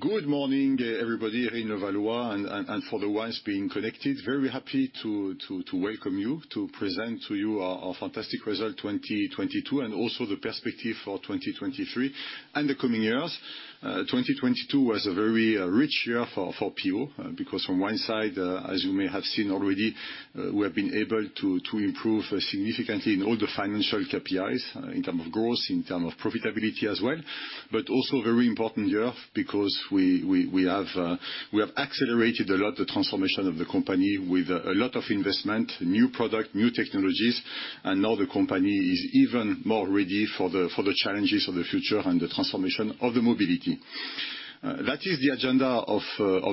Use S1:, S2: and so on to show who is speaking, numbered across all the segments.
S1: Good morning, everybody. Laurent Favre, and for the ones being connected, very happy to welcome you, to present to you our fantastic results 2022, and also the perspective for 2023 and the coming years. 2022 was a very rich year for PO because from one side, as you may have seen already, we have been able to improve significantly in all the financial KPIs, in terms of growth, in terms of profitability as well. Also very important year because we have accelerated a lot the transformation of the company with a lot of investments, new products, new technologies, and now the company is even more ready for the challenges of the future and the transformation of the mobility. That is the agenda of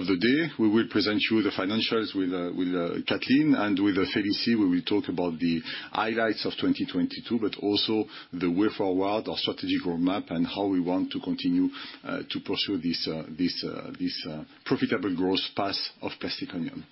S1: the day. We will present you the financials with Kathleen, and with Félicie, we will talk about the highlights of 2022 but also the way forward, our strategic roadmap, and how we want to continue to pursue this profitable growth path of Plastic Omnium.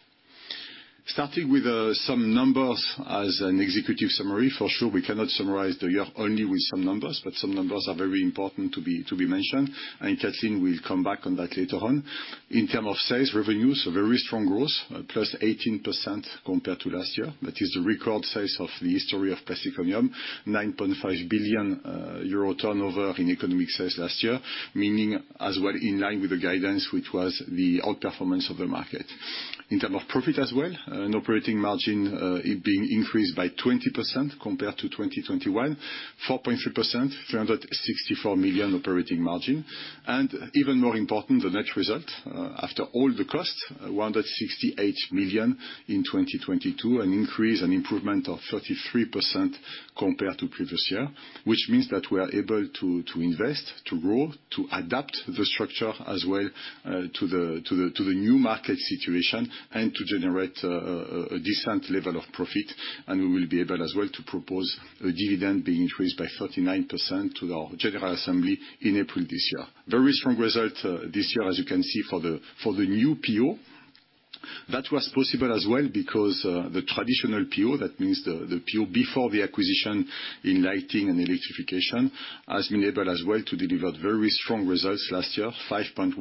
S1: Starting with some numbers as an executive summary. For sure we cannot summarize the year only with some numbers, but some numbers are very important to be mentioned, and Kathleen will come back on that later on. In term of sales revenues, a very strong growth, plus 18% compared to last year. That is a record sales of the history of Plastic Omnium. 9.5 billion euro turnover in economic sales last year, meaning as well in line with the guidance, which was the outperformance of the market. In terms of profit as well, an operating margin, it being increased by 20% compared to 2021, 4.3%, 364 million operating margin. Even more important, the net result, after all the costs, 168 million in 2022, an increase and improvement of 33% compared to previous year, which means that we are able to invest, to grow, to adapt the structure as well to the new market situation and to generate a decent level of profit, and we will be able as well to propose a dividend being increased by 39% to our general assembly in April this year. Very strong result this year, as you can see, for the new PO. That was possible as well because the traditional PO, that means the PO before the acquisition in lighting and electrification, has been able as well to deliver very strong results last year, 5.1%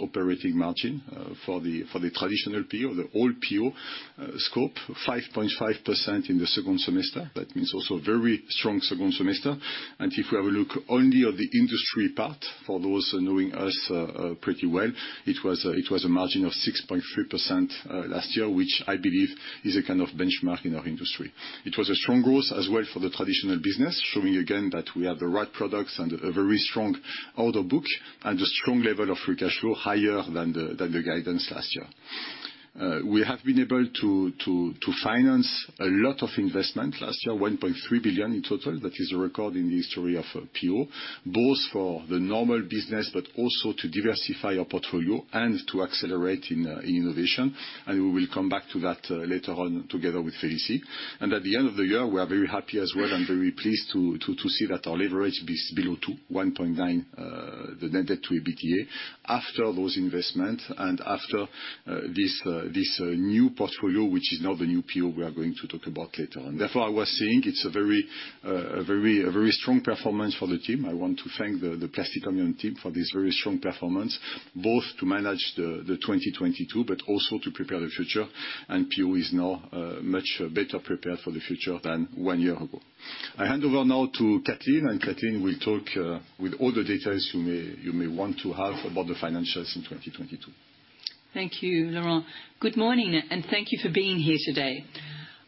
S1: operating margin for the traditional PO, the old PO scope. 5.5% in the second semester. That means also very strong second semester. If we have a look only at the Industry part, for those knowing us pretty well, it was a margin of 6.3% last year, which I believe is a kind of benchmark in our industry. It was a strong growth as well for the traditional business, showing again that we have the right products and a very strong order book and a strong level of free cash flow, higher than the guidance last year. We have been able to finance a lot of investment last year, 1.3 billion in total. That is a record in the history of PO, both for the normal business, but also to diversify our portfolio and to accelerate in innovation, and we will come back to that later on together with Félicie. At the end of the year, we are very happy as well and very pleased to see that our leverage is below to 1.9x, the net debt to EBITDA after those investments and after this new portfolio, which is now the new PO we are going to talk about later on. I was saying it's a very strong performance for the team. I want to thank the Plastic Omnium team for this very strong performance, both to manage the 2022 but also to prepare the future. PO is now much better prepared for the future than one year ago. I hand over now to Kathleen. Kathleen will talk with all the details you may want to have about the financials in 2022.
S2: Thank you, Laurent. Good morning and thank you for being here today.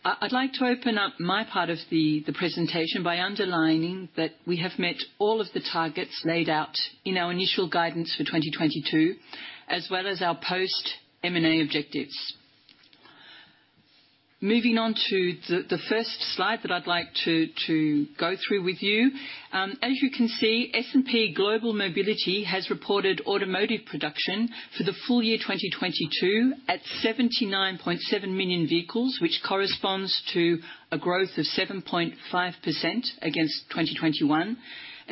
S2: I'd like to open up my part of the presentation by underlining that we have met all of the targets laid out in our initial guidance for 2022, as well as our post-M&A objectives. Moving on to the first slide that I'd like to go through with you. As you can see, S&P Global Mobility has reported automotive production for the full year 2022 at 79.7 million vehicles, which corresponds to a growth of 7.5% against 2021.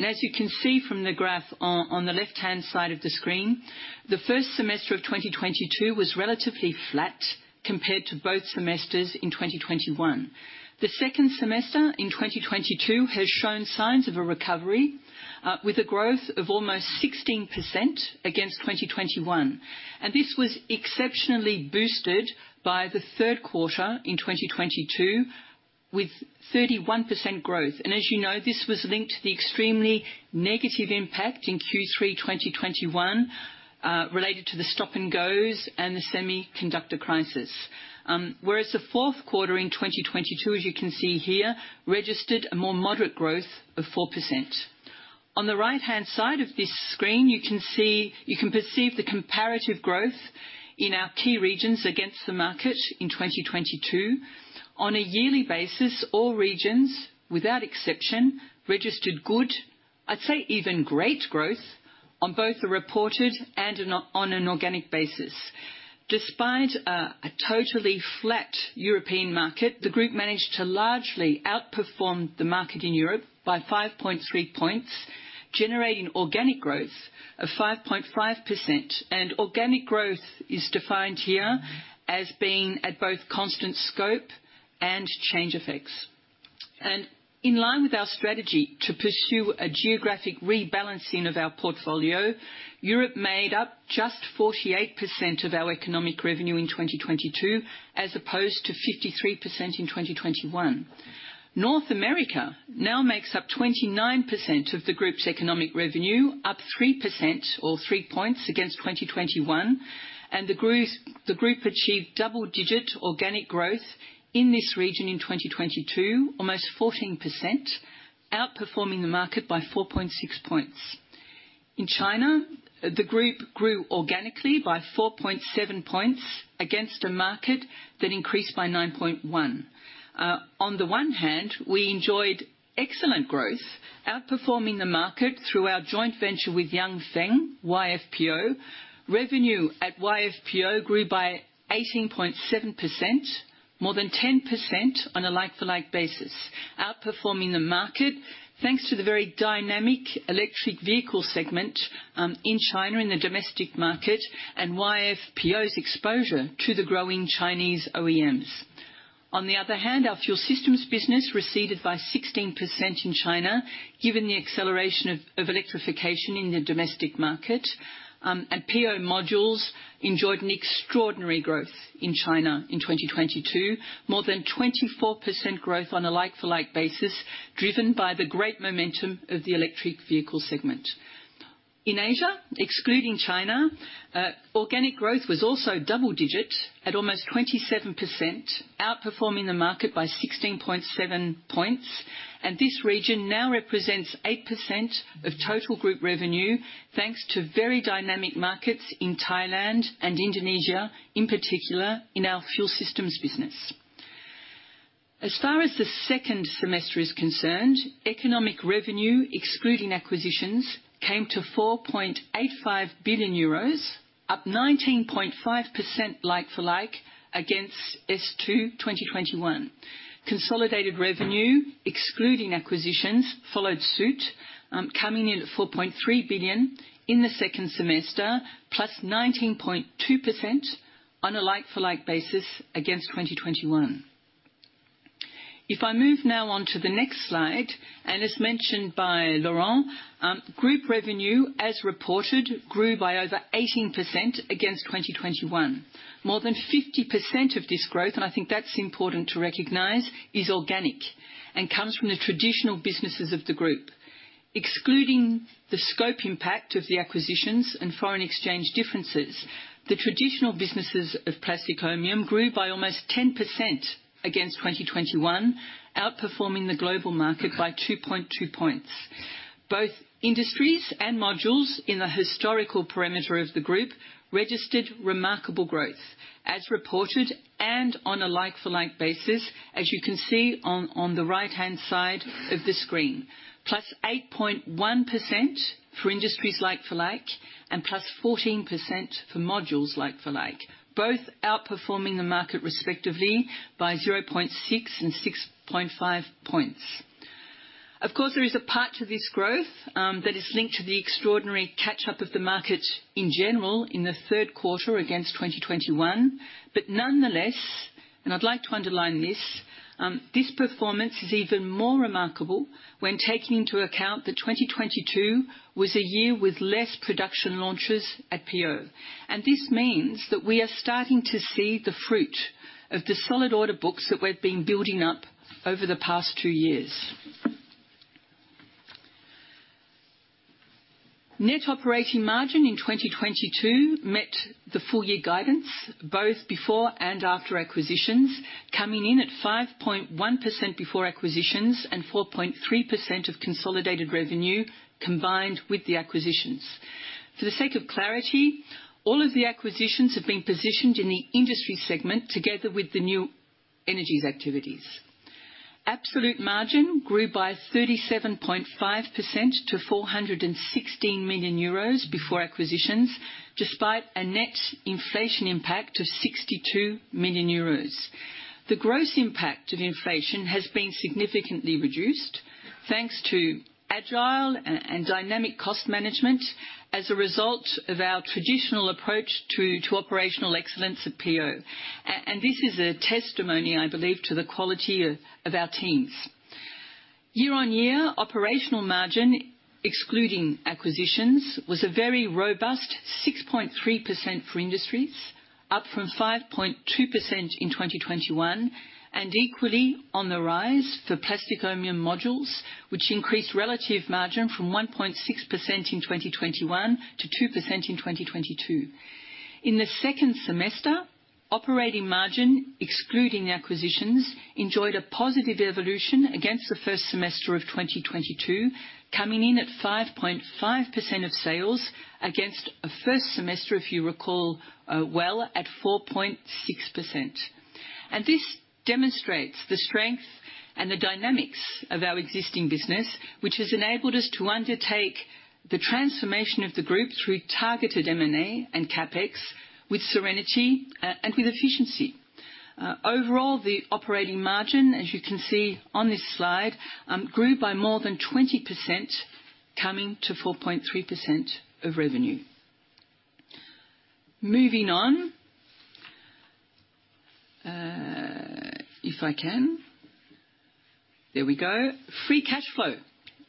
S2: As you can see from the graph on the left-hand side of the screen, the first semester of 2022 was relatively flat compared to both semesters in 2021. The second semester in 2022 has shown signs of a recovery, with a growth of almost 16% against 2021. This was exceptionally boosted by the 3rd quarter in 2022 with 31% growth. As you know, this was linked to the extremely negative impact in Q3 2021, related to the Stop & Go and the semiconductor crisis. Whereas the fourth quarter in 2022, as you can see here, registered a more moderate growth of 4%. On the right-hand side of this screen, you can perceive the comparative growth in our key regions against the market in 2022. On a yearly basis, all regions, without exception, registered good, I'd say even great growth, on both the reported and on an organic basis. Despite a totally flat European market, the group managed to largely outperform the market in Europe by 5.3 points, generating organic growth of 5.5%. Organic growth is defined here as being at both constant scope and exchange effects. In line with our strategy to pursue a geographic rebalancing of our portfolio, Europe made up just 48% of our economic revenue in 2022, as opposed to 53% in 2021. North America now makes up 29% of the group's economic revenue, up 3% or 3 points against 2021. The group achieved double-digit organic growth in this region in 2022, almost 14%, outperforming the market by 4.6 points. In China, the group grew organically by 4.7 points against a market that increased by 9.1%. On the one hand, we enjoyed excellent growth, outperforming the market through our joint venture with Yanfeng, YFPO. Revenue at YFPO grew by 18.7%, more than 10% on a like-for-like basis, outperforming the market thanks to the very dynamic electric vehicle segment in China, in the domestic market, and YFPO's exposure to the growing Chinese OEMs. On the other hand, our fuel systems business receded by 16% in China, given the acceleration of electrification in the domestic market. PO Modules enjoyed an extraordinary growth in China in 2022, more than 24% growth on a like-for-like basis, driven by the great momentum of the electric vehicle segment. In Asia, excluding China, organic growth was also double digit at almost 27%, outperforming the market by 16.7 points. This region now represents 8% of total group revenue, thanks to very dynamic markets in Thailand and Indonesia, in particular in our fuel systems business. As far as the second semester is concerned, economic revenue, excluding acquisitions, came to 4.85 billion euros, up 19.5% like for like against S2 2021. Consolidated revenue, excluding acquisitions, followed suit, coming in at 4.3 billion in the second semester, plus 19.2% on a like-for-like basis against 2021. If I move now on to the next slide, and as mentioned by Laurent, group revenue, as reported, grew by over 18% against 2021. More than 50% of this growth, and I think that's important to recognize, is organic and comes from the traditional businesses of the group. Excluding the scope impact of the acquisitions and foreign exchange differences, the traditional businesses of Plastic Omnium grew by almost 10% against 2021, outperforming the global market by 2.2 points. Both Industries and Modules in the historical parameter of the group registered remarkable growth, as reported and on a like-for-like basis, as you can see on the right-hand side of the screen. Plus 8.1% for Industries like for like, plus 14% for Modules like for like, both outperforming the market respectively by 0.6 and 6.5 points. Of course, there is a part to this growth that is linked to the extraordinary catch-up of the market in general in the third quarter against 2021. Nonetheless, and I'd like to underline this performance is even more remarkable when taking into account that 2022 was a year with less production launches at PO. This means that we are starting to see the fruit of the solid order books that we've been building up over the past two years. Net operating margin in 2022 met the full year guidance, both before and after acquisitions, coming in at 5.1% before acquisitions and 4.3% of consolidated revenue combined with the acquisitions. For the sake of clarity, all of the acquisitions have been positioned in the industry segment together with the new energies activities. Absolute margin grew by 37.5% to 416 million euros before acquisitions, despite a net inflation impact of 62 million euros. The gross impact of inflation has been significantly reduced thanks to agile and dynamic cost management as a result of our traditional approach to operational excellence at PO. This is a testimony, I believe, to the quality of our teams. Year on year, operational margin, excluding acquisitions, was a very robust 6.3% for Industries, up from 5.2% in 2021, and equally on the rise for Plastic Omnium Modules, which increased relative margin from 1.6% in 2021 to 2% in 2022. In the second semester, operating margin, excluding acquisitions, enjoyed a positive evolution against the first semester of 2022, coming in at 5.5% of sales against a first semester, if you recall, well, at 4.6%. This demonstrates the strength and the dynamics of our existing business, which has enabled us to undertake the transformation of the group through targeted M&A and CapEx with serenity and with efficiency. Overall, the operating margin, as you can see on this slide, grew by more than 20%, coming to 4.3% of revenue. Moving on, if I can. There we go. Free cash flow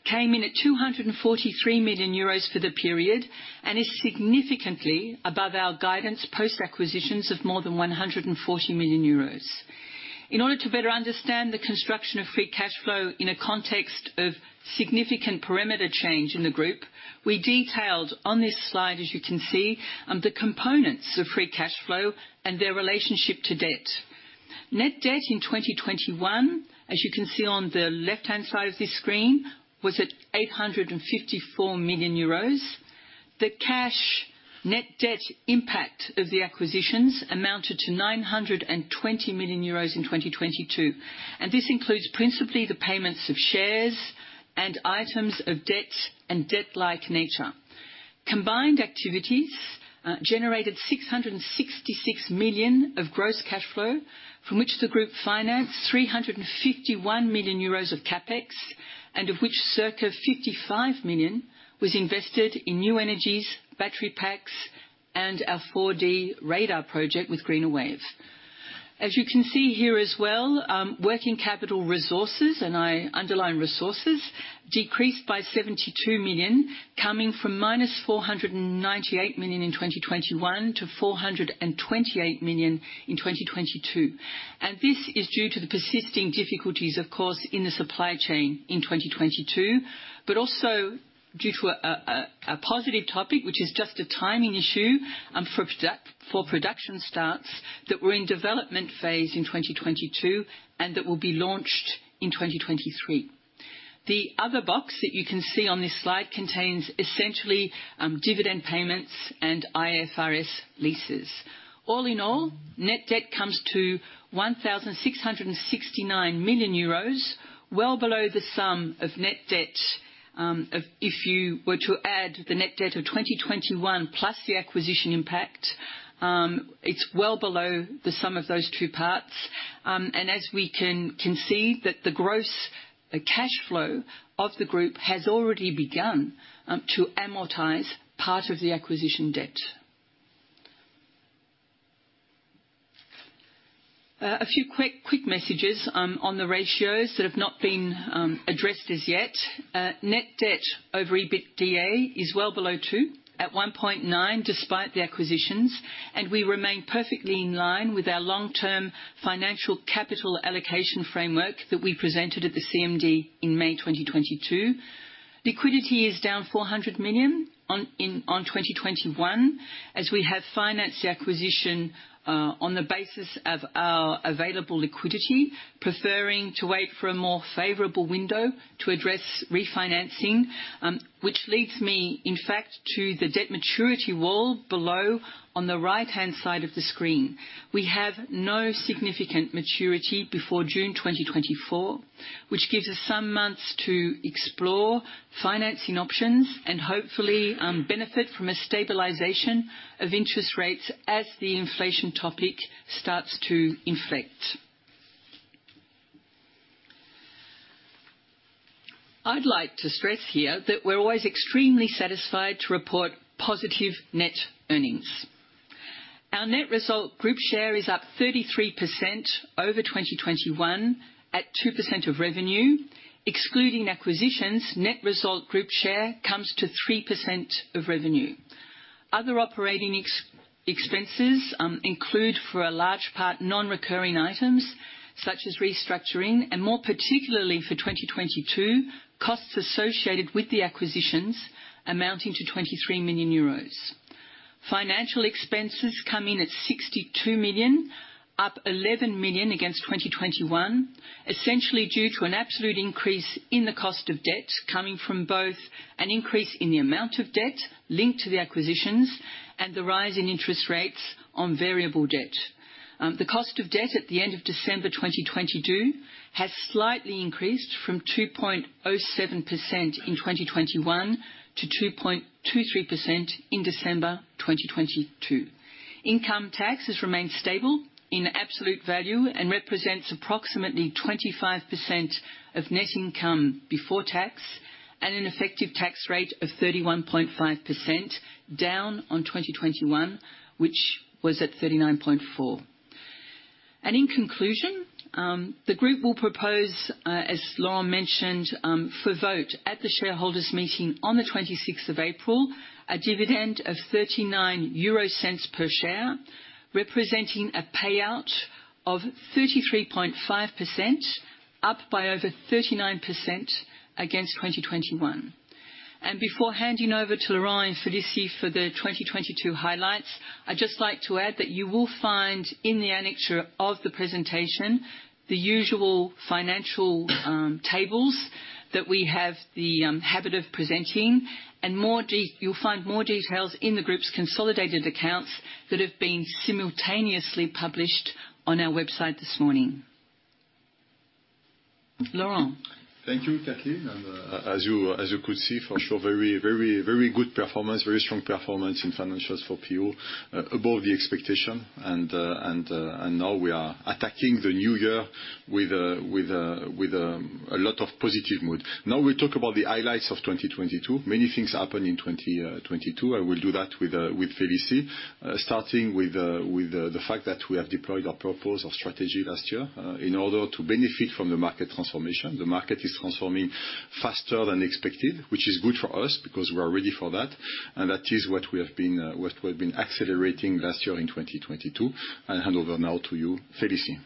S2: came in at 243 million euros for the period and is significantly above our guidance post-acquisitions of more than 140 million euros. In order to better understand the construction of free cash flow in a context of significant perimeter change in the group, we detailed on this slide, as you can see, the components of free cash flow and their relationship to debt. Net debt in 2021, as you can see on the left-hand side of this screen, was at 854 million euros. The cash net debt impact of the acquisitions amounted to 920 million euros in 2022. This includes principally the payments of shares and items of debt and debt-like nature. Combined activities generated 666 million of gross cash flow, from which the group financed 351 million euros of CapEx, and of which circa 55 million was invested in new energies, battery packs, and our 4D radar project with Greenerwave. As you can see here as well, working capital resources, and I underline resources, decreased by 72 million, coming from -498 million in 2021 to -428 million in 2022. This is due to the persisting difficulties, of course, in the supply chain in 2022, but also due to a positive topic, which is just a timing issue for production starts that were in development phase in 2022 and that will be launched in 2023. The other box that you can see on this slide contains essentially dividend payments and IFRS leases. All in all, net debt comes to 1,669 million euros, well below the sum of net debt. If you were to add the net debt of 2021 plus the acquisition impact, it's well below the sum of those two parts. As we can see that the gross cash flow of the group has already begun to amortize part of the acquisition debt. A few quick messages on the ratios that have not been addressed as yet. Net debt over EBITDA is well below 2x, at 1.9x, despite the acquisitions. We remain perfectly in line with our long-term financial capital allocation framework that we presented at the CMD in May 2022. Liquidity is down 400 million on 2021, as we have financed the acquisition on the basis of our available liquidity, preferring to wait for a more favorable window to address refinancing. Which leads me, in fact, to the debt maturity wall below on the right-hand side of the screen. We have no significant maturity before June 2024, which gives us some months to explore financing options and hopefully benefit from a stabilization of interest rates as the inflation topic starts to inflect. I'd like to stress here that we're always extremely satisfied to report positive net earnings. Our net result group share is up 33% over 2021 at 2% of revenue. Excluding acquisitions, net result group share comes to 3% of revenue. Other operating expenses include, for a large part, non-recurring items such as restructuring, and more particularly for 2022, costs associated with the acquisitions amounting to 23 million euros. Financial expenses come in at 62 million, up 11 million against 2021, essentially due to an absolute increase in the cost of debt, coming from both an increase in the amount of debt linked to the acquisitions and the rise in interest rates on variable debt. The cost of debt at the end of December 2022 has slightly increased from 2.07% in 2021 to 2.23% in December 2022. Income tax has remained stable in absolute value and represents approximately 25% of net income before tax, and an effective tax rate of 31.5%, down on 2021, which was at 39.4%. In conclusion, the group will propose, as Laurent mentioned, for vote at the shareholders meeting on the 26th of April, a dividend of 0.39 per share, representing a payout of 33.5%, up by over 39% against 2021. Before handing over to Laurent, Félicie for the 2022 highlights, I'd just like to add that you will find in the annexure of the presentation the usual financial tables that we have the habit of presenting. You'll find more details in the group's consolidated accounts that have been simultaneously published on our website this morning.
S1: Thank you, Kathleen. As you could see, for sure, very, very, very good performance, very strong performance in financials for PO, above the expectation. Now we are attacking the new year with a lot of positive mood. Now we talk about the highlights of 2022. Many things happened in 2022. I will do that with Félicie, starting with the fact that we have deployed our purpose, our strategy last year, in order to benefit from the market transformation. The market is transforming faster than expected, which is good for us because we are ready for that. That is what we've been accelerating last year in 2022. I'll hand over now to you, Félicie.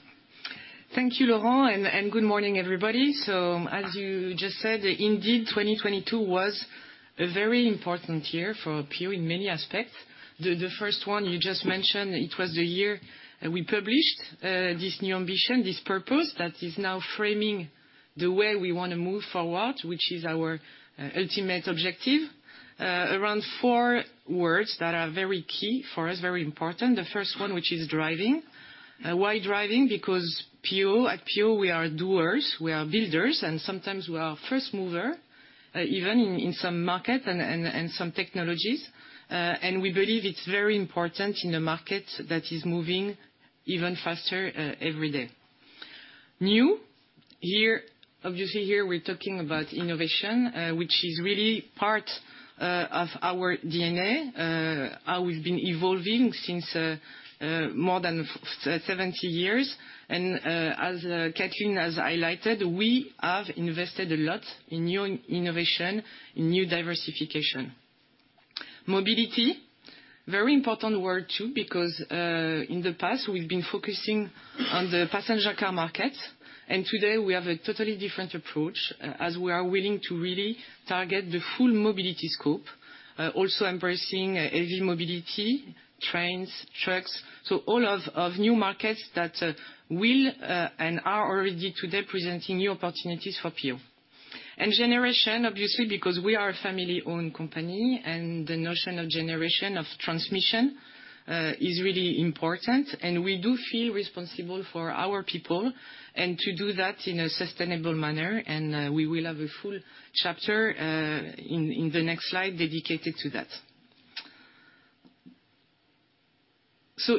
S3: Thank you, Laurent, and good morning, everybody. As you just said, indeed, 2022 was a very important year for PO in many aspects. The first one you just mentioned, it was the year that we published this new ambition, this purpose, that is now framing the way we wanna move forward, which is our ultimate objective. Around four words that are very key for us, very important. The first one, which is Driving. Why driving? Because PO, we are doers, we are builders, and sometimes we are first mover, even in some markets and some technologies. We believe it's very important in a market that is moving even faster every day. New. Here, obviously here we're talking about innovation, which is really part of our DNA, how we've been evolving since more than 70 years. As Kathleen has highlighted, we have invested a lot in new innovation and new diversification. Mobility, very important word too, because in the past, we've been focusing on the passenger car market. Today we have a totally different approach as we are willing to really target the full mobility scope, also embracing heavy mobility, trains, trucks. All of new markets that will and are already today presenting new opportunities for PO. Generation, obviously, because we are a family-owned company, and the notion of generation, of transmission, is really important. We do feel responsible for our people and to do that in a sustainable manner. We will have a full chapter in the next slide dedicated to that.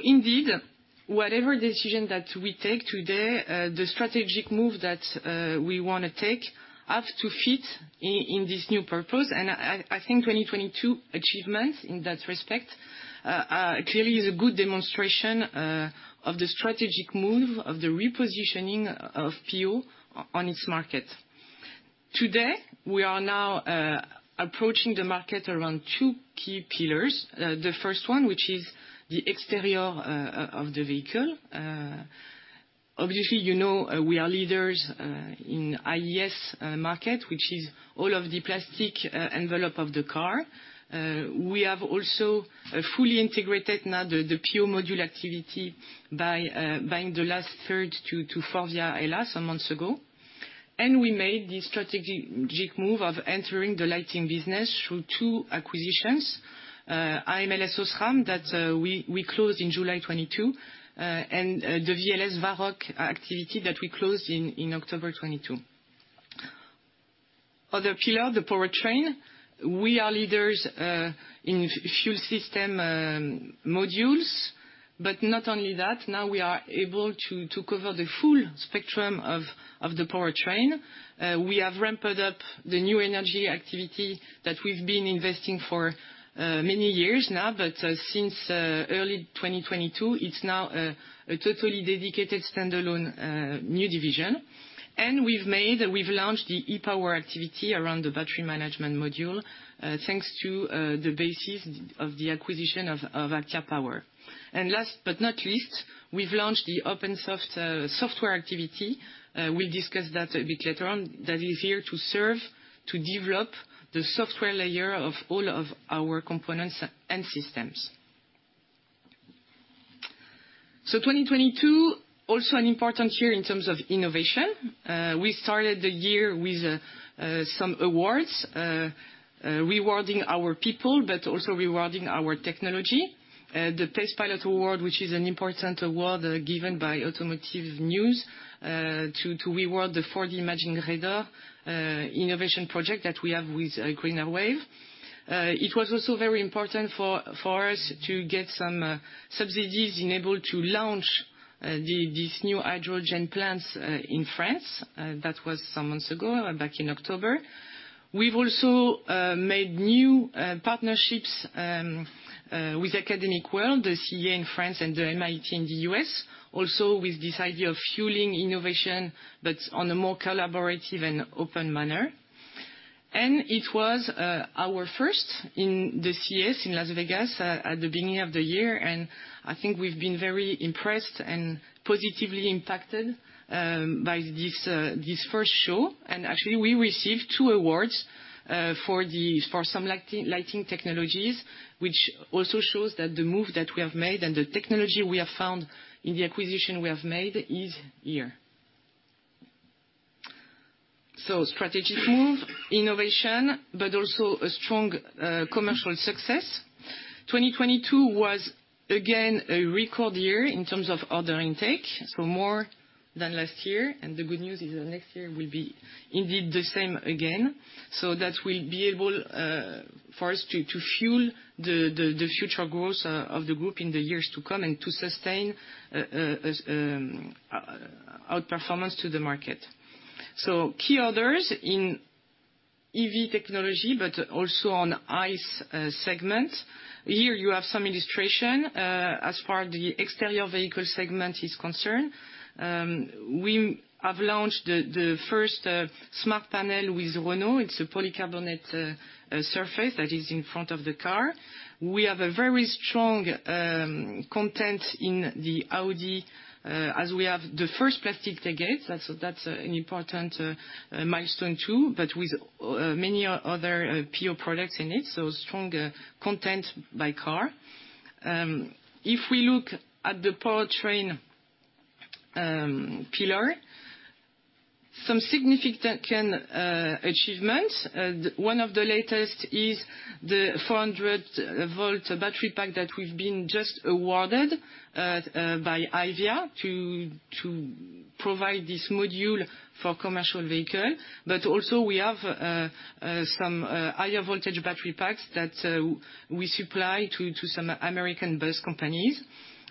S3: Indeed, whatever decision that we take today, the strategic move that we wanna take, have to fit in this new purpose. I think 2022 achievements in that respect clearly is a good demonstration of the strategic move of the repositioning of PO on its market. Today, we are now approaching the market around two key pillars. The first one, which is the exterior of the vehicle. Obviously, you know, we are leaders in IES market, which is all of the plastic envelope of the car. We have also fully integrated now the PO Module activity by buying the last third to Forvia/HELLA, some months ago. We made the strategic move of entering the lighting business through two acquisitions, AMLS OSRAM that we closed in July 2022, and the VLS, Varroc activity that we closed in October 2022. Other pillar, the powertrain. We are leaders in fuel system modules, but not only that, now we are able to cover the full spectrum of the powertrain. We have ramped up the new energy activity that we've been investing for many years now, but since early 2022, it's now a totally dedicated standalone new division. We've launched the e-Power activity around the battery management module, thanks to the basis of the acquisition of ACTIA Power. Last but not least, we've launched the OP'nSoft software activity, we'll discuss that a bit later on. That is here to serve to develop the software layer of all of our components and systems. 2022, also an important year in terms of innovation. We started the year with some awards rewarding our people but also rewarding our technology. The PACE Pilot Award, which is an important award given by Automotive News, to reward the 4D imaging radar innovation project that we have with Greenerwave. It was also very important for us to get some subsidies in able to launch these new hydrogen plants in France. That was some months ago, back in October. We've also made new partnerships with academic world, the CEA in France and the MIT in the U.S., also with this idea of fueling innovation, but on a more collaborative and open manner. It was our first in the CES in Las Vegas at the beginning of the year, and I think we've been very impressed and positively impacted by this first show. Actually, we received two awards for the for some lighting technologies, which also shows that the move that we have made and the technology we have found in the acquisition we have made is here. Strategic move, innovation, but also a strong commercial success. 2022 was again a record year in terms of order intake, so more than last year. The good news is that next year will be indeed the same again. That will be able for us to fuel the future growth of the group in the years to come and to sustain our performance to the market. Key orders in EV technology but also on ICE segment. Here you have some illustration as far the exterior vehicle segment is concerned. We have launched the first Smart Panel with Renault. It's a polycarbonate surface that is in front of the car. We have a very strong content in the Audi as we have the first plastic they get. That's an important milestone too, but with many other PO products in it, so strong content by car. If we look at the powertrain pillar, some significant achievements. One of the latest is the 400-volt battery pack that we've been just awarded by HYVIA to provide this module for commercial vehicle. Also, we have some higher voltage battery packs that we supply to some American bus companies.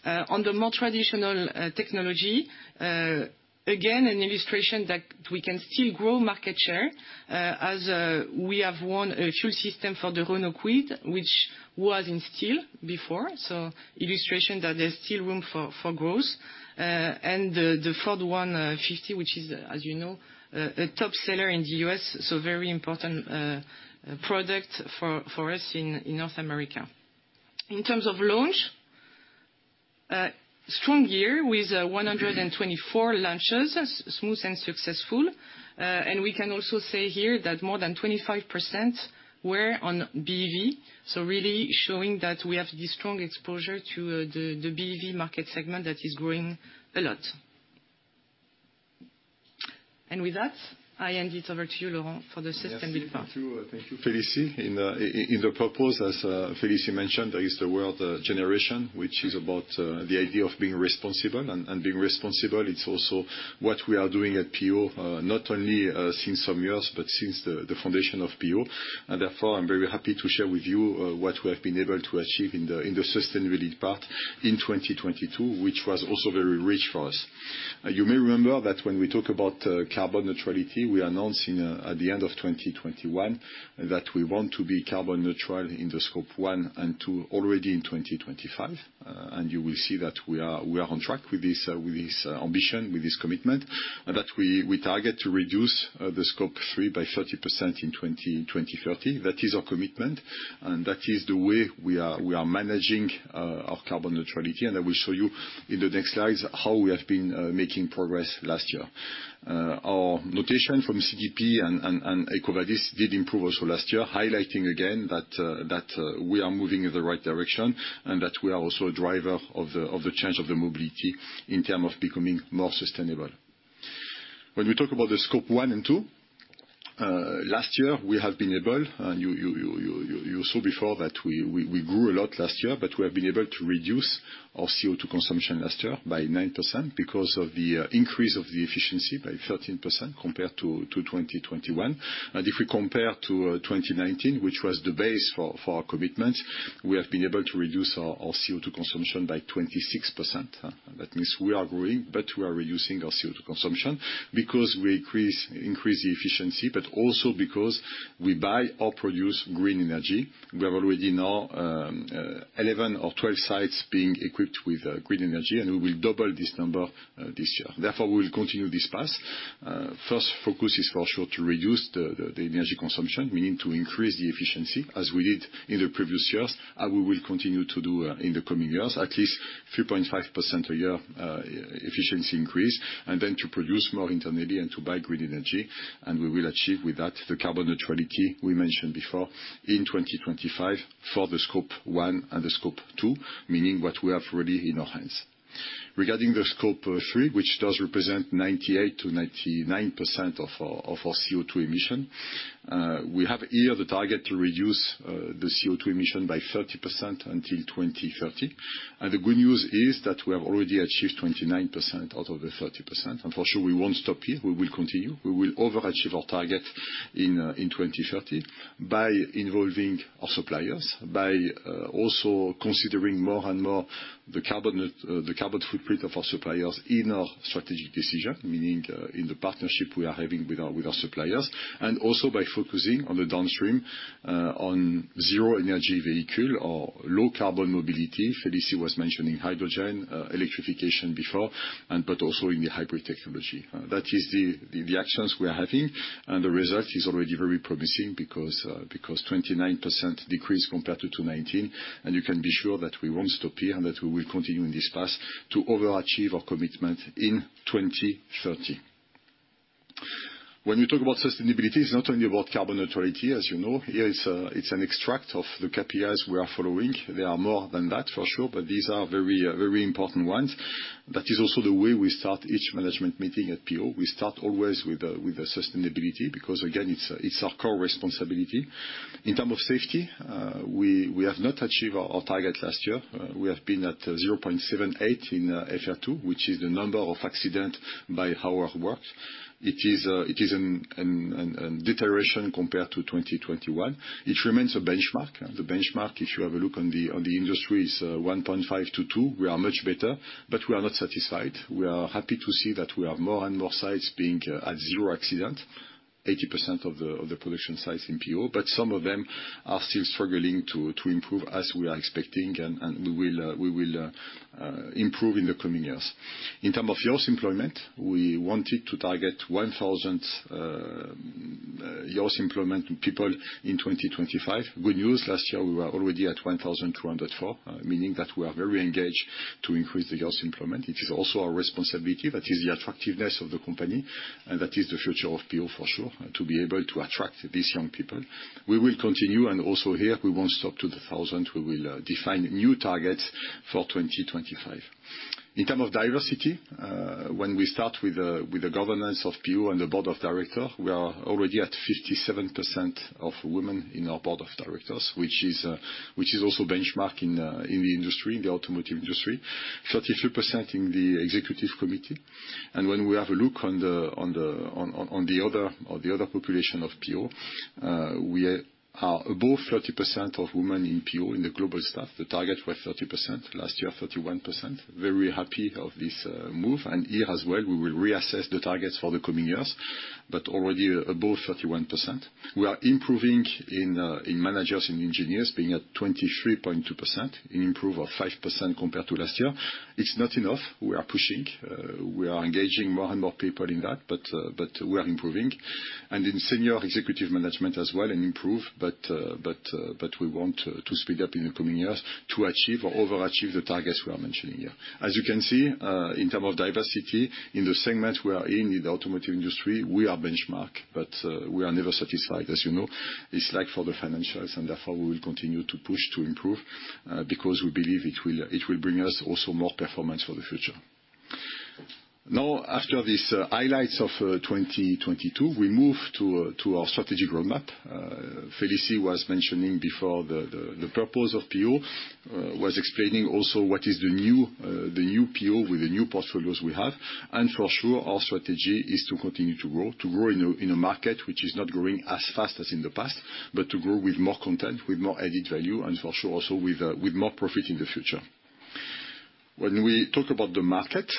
S3: On the more traditional technology, again, an illustration that we can still grow market share, as we have won a fuel system for the Renault Kwid, which was in steel before. Illustration that there's still room for growth. The Ford F-150, which is, as you know, a top seller in the US, very important product for us in North America. In terms of launch, strong year with 124 launches, smooth and successful. We can also say here that more than 25% were on BEV. Really showing that we have this strong exposure to, the BEV market segment that is growing a lot. With that, I hand it over to you, Laurent, for the system build part.
S1: Merci beaucoup. Thank you, Félicie. In the purpose, as Félicie mentioned, there is the word Generation, which is about the idea of being responsible. Being responsible, it's also what we are doing at PO, not only since some years, but since the foundation of PO. Therefore, I'm very happy to share with you what we have been able to achieve in the sustainability part in 2022, which was also very rich for us. You may remember that when we talk about carbon neutrality, we announced at the end of 2021 that we want to be carbon neutral in the Scope 1 and 2 already in 2025. You will see that we are on track with this, with this ambition, with this commitment. That we target to reduce the Scope 3 by 30% in 2030. That is our commitment, and that is the way we are managing our carbon neutrality. I will show you in the next slides how we have been making progress last year. Our notation from CDP and EcoVadis did improve also last year, highlighting again that we are moving in the right direction and that we are also a driver of the change of the mobility in term of becoming more sustainable. When we talk about the Scope 1 and 2, last year, we have been able, and you saw before that we grew a lot last year, but we have been able to reduce our CO2 consumption last year by 9% because of the increase of the efficiency by 13% compared to 2021. If we compare to 2019, which was the base for our commitment, we have been able to reduce our CO2 consumption by 26%. That means we are growing, but we are reducing our CO2 consumption because we increase the efficiency, but also because we buy or produce green energy. We have already now 11 or 12 sites being equipped with green energy, and we will double this number this year. We will continue this path. First focus is for sure to reduce the energy consumption. We need to increase the efficiency as we did in the previous years, and we will continue to do in the coming years, at least 3.5% a year, efficiency increase, and then to produce more internally and to buy green energy. We will achieve with that the carbon neutrality we mentioned before in 2025 for the Scope 1 and the Scope 2, meaning what we have already in our hands. Regarding the Scope 3, which does represent 98%-99% of our CO2 emission, we have here the target to reduce the CO2 emission by 30% until 2030. The good news is that we have already achieved 29% out of the 30%. For sure we won't stop here. We will continue. We will over-achieve our target in 2030 by involving our suppliers, by also considering more and more the carbon footprint of our suppliers in our strategic decision, meaning in the partnership we are having with our suppliers, and also by focusing on the downstream on zero energy vehicle or low carbon mobility. Félicie was mentioning hydrogen electrification before and but also in the hybrid technology. That is the actions we are having. The result is already very promising because 29% decrease compared to 2019, and you can be sure that we won't stop here and that we will continue in this path to overachieve our commitment in 2030. When you talk about sustainability, it's not only about carbon neutrality, as you know. Here it's an extract of the KPIs we are following. There are more than that, for sure, but these are very, very important ones. That is also the way we start each management meeting at PO. We start always with the sustainability, because again, it's our core responsibility. In term of safety, we have not achieved our target last year. We have been at 0.78 in FR2, which is the number of accident by hour worked. It is an deterioration compared to 2021. It remains a benchmark. The benchmark, if you have a look on the industry, is 1.5-2. We are much better. We are not satisfied. We are happy to see that we have more and more sites being at zero accident, 80% of the production sites in PO. Some of them are still struggling to improve as we are expecting, and we will improve in the coming years. In term of youth employment, we wanted to target 1,000 youth employment people in 2025. Good news, last year, we were already at 1,204, meaning that we are very engaged to increase the youth employment. It is also our responsibility, that is the attractiveness of the company, and that is the future of PO for sure, to be able to attract these young people. We will continue, and also here, we won't stop to the 1,000. We will define new targets for 2025. In term of diversity, when we start with the governance of PO and the board of director, we are already at 57% of women in our board of directors, which is also benchmark in the industry, in the automotive industry. 33% in the executive committee. When we have a look on the other population of PO, we are above 30% of women in PO in the global staff. The target was 30%. Last year, 31%. Very happy of this move. Here as well, we will reassess the targets for the coming years, but already above 31%. We are improving in managers and engineers, being at 23.2%, an improve of 5% compared to last year. It's not enough. We are pushing. We are engaging more and more people in that, but we are improving. In senior executive management as well, an improve, but we want to speed up in the coming years to achieve or overachieve the targets we are mentioning here. As you can see, in term of diversity, in the segment we are in the automotive industry, we are benchmark. We are never satisfied, as you know. It's like for the financials, therefore, we will continue to push to improve because we believe it will bring us also more performance for the future. After these highlights of 2022, we move to our strategic roadmap. Félicie was mentioning before the purpose of PO, was explaining also what is the new PO with the new portfolios we have. For sure, our strategy is to continue to grow in a market which is not growing as fast as in the past, but to grow with more content, with more added value, and for sure, also with more profit in the future. When we talk about the market,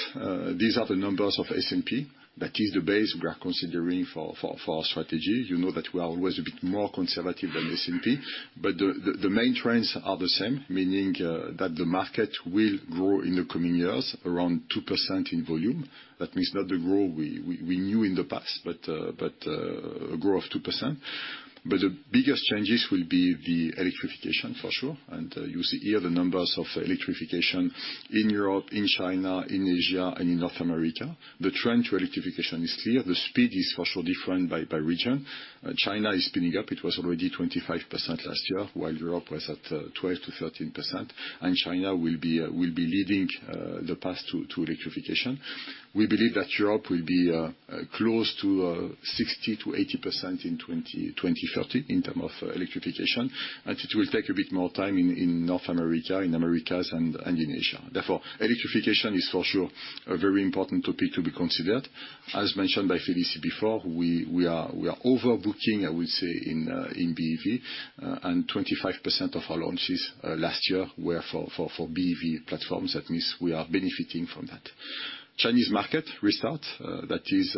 S1: these are the numbers of S&P. That is the base we are considering for our strategy. You know that we are always a bit more conservative than S&P, the main trends are the same, meaning that the market will grow in the coming years around 2% in volume. That means not the growth we knew in the past, but a growth of 2%. The biggest changes will be the electrification for sure. You see here the numbers of electrification in Europe, in China, in Asia, and in North America. The trend to electrification is clear. The speed is for sure different by region. China is speeding up. It was already 25% last year, while Europe was at 12%-13%. China will be leading the path to electrification. We believe that Europe will be close to 60%-80% in 2030 in term of electrification. It will take a bit more time in North America, in Americas and in Asia. Therefore, electrification is for sure a very important topic to be considered. As mentioned by Félicie before, we are overbooking, I would say, in BEV, and 25% of our launches last year were for BEV platforms. That means we are benefiting from that. Chinese market restart, that is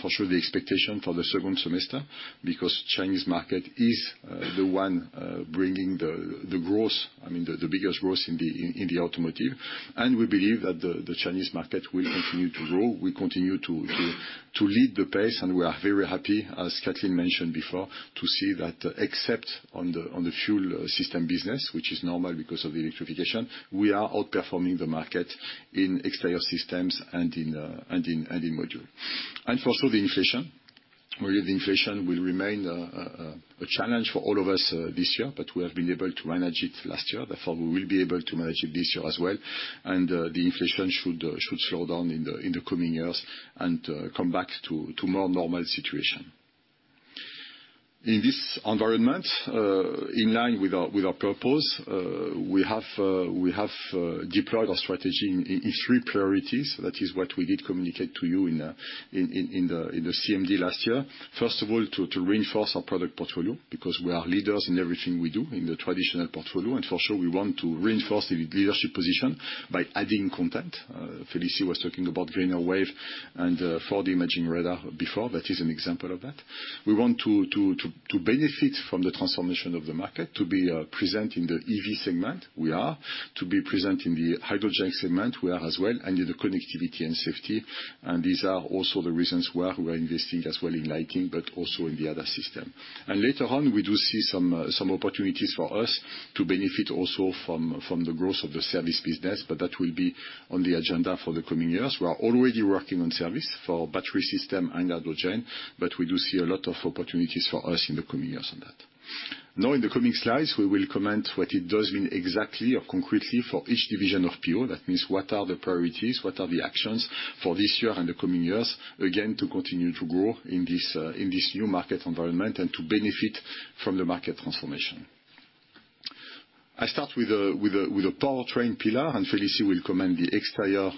S1: for sure the expectation for the second semester, because Chinese market is the one bringing the growth, I mean, the biggest growth in the automotive. We believe that the Chinese market will continue to grow. We continue to lead the pace, and we are very happy, as Kathleen mentioned before, to see that except on the fuel system business, which is normal because of the electrification, we are outperforming the market in exterior systems and in Module. For sure, the inflation. We believe the inflation will remain a challenge for all of us this year, but we have been able to manage it last year. Therefore, we will be able to manage it this year as well. The inflation should slow down in the coming years and come back to more normal situation. In this environment, in line with our purpose, we have deployed our strategy in three priorities. That is what we did communicate to you in the CMD last year. First of all, to reinforce our product portfolio, because we are leaders in everything we do in the traditional portfolio. For sure, we want to reinforce the leadership position by adding content. Félicie was talking about Greenerwave and 4D imaging radar before. That is an example of that. We want to benefit from the transformation of the market, to be present in the EV segment, we are. To be present in the hydrogen segment, we are as well. In the connectivity and safety. These are also the reasons why we are investing as well in lighting, but also in the other system. Later on, we do see some opportunities for us to benefit also from the growth of the service business, but that will be on the agenda for the coming years. We are already working on service for battery system and hydrogen. We do see a lot of opportunities for us in the coming years on that. In the coming slides, we will comment what it does mean exactly or concretely for each division of PO. That means what are the priorities, what are the actions for this year and the coming years, again, to continue to grow in this new market environment and to benefit from the market transformation. I start with the powertrain pillar, and Félicie will comment the exterior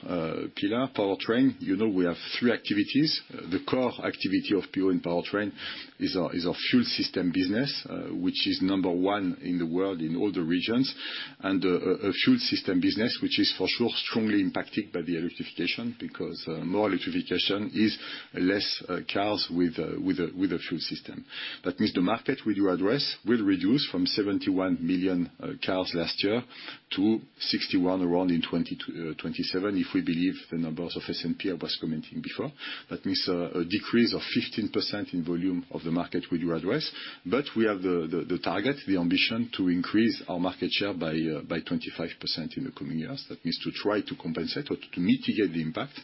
S1: pillar powertrain. You know, we have three activities. The core activity of PO in powertrain is our fuel system business, which is number one in the world in all the regions, and a fuel system business which is for sure strongly impacted by the electrification, because more electrification is less cars with a fuel system. That means the market we do address will reduce from 71 million cars last year to 61 around in 2027 if we believe the numbers of S&P I was commenting before. That means a decrease of 15% in volume of the market we do address. We have the target, the ambition to increase our market share by 25% in the coming years. That means to try to compensate or to mitigate the impact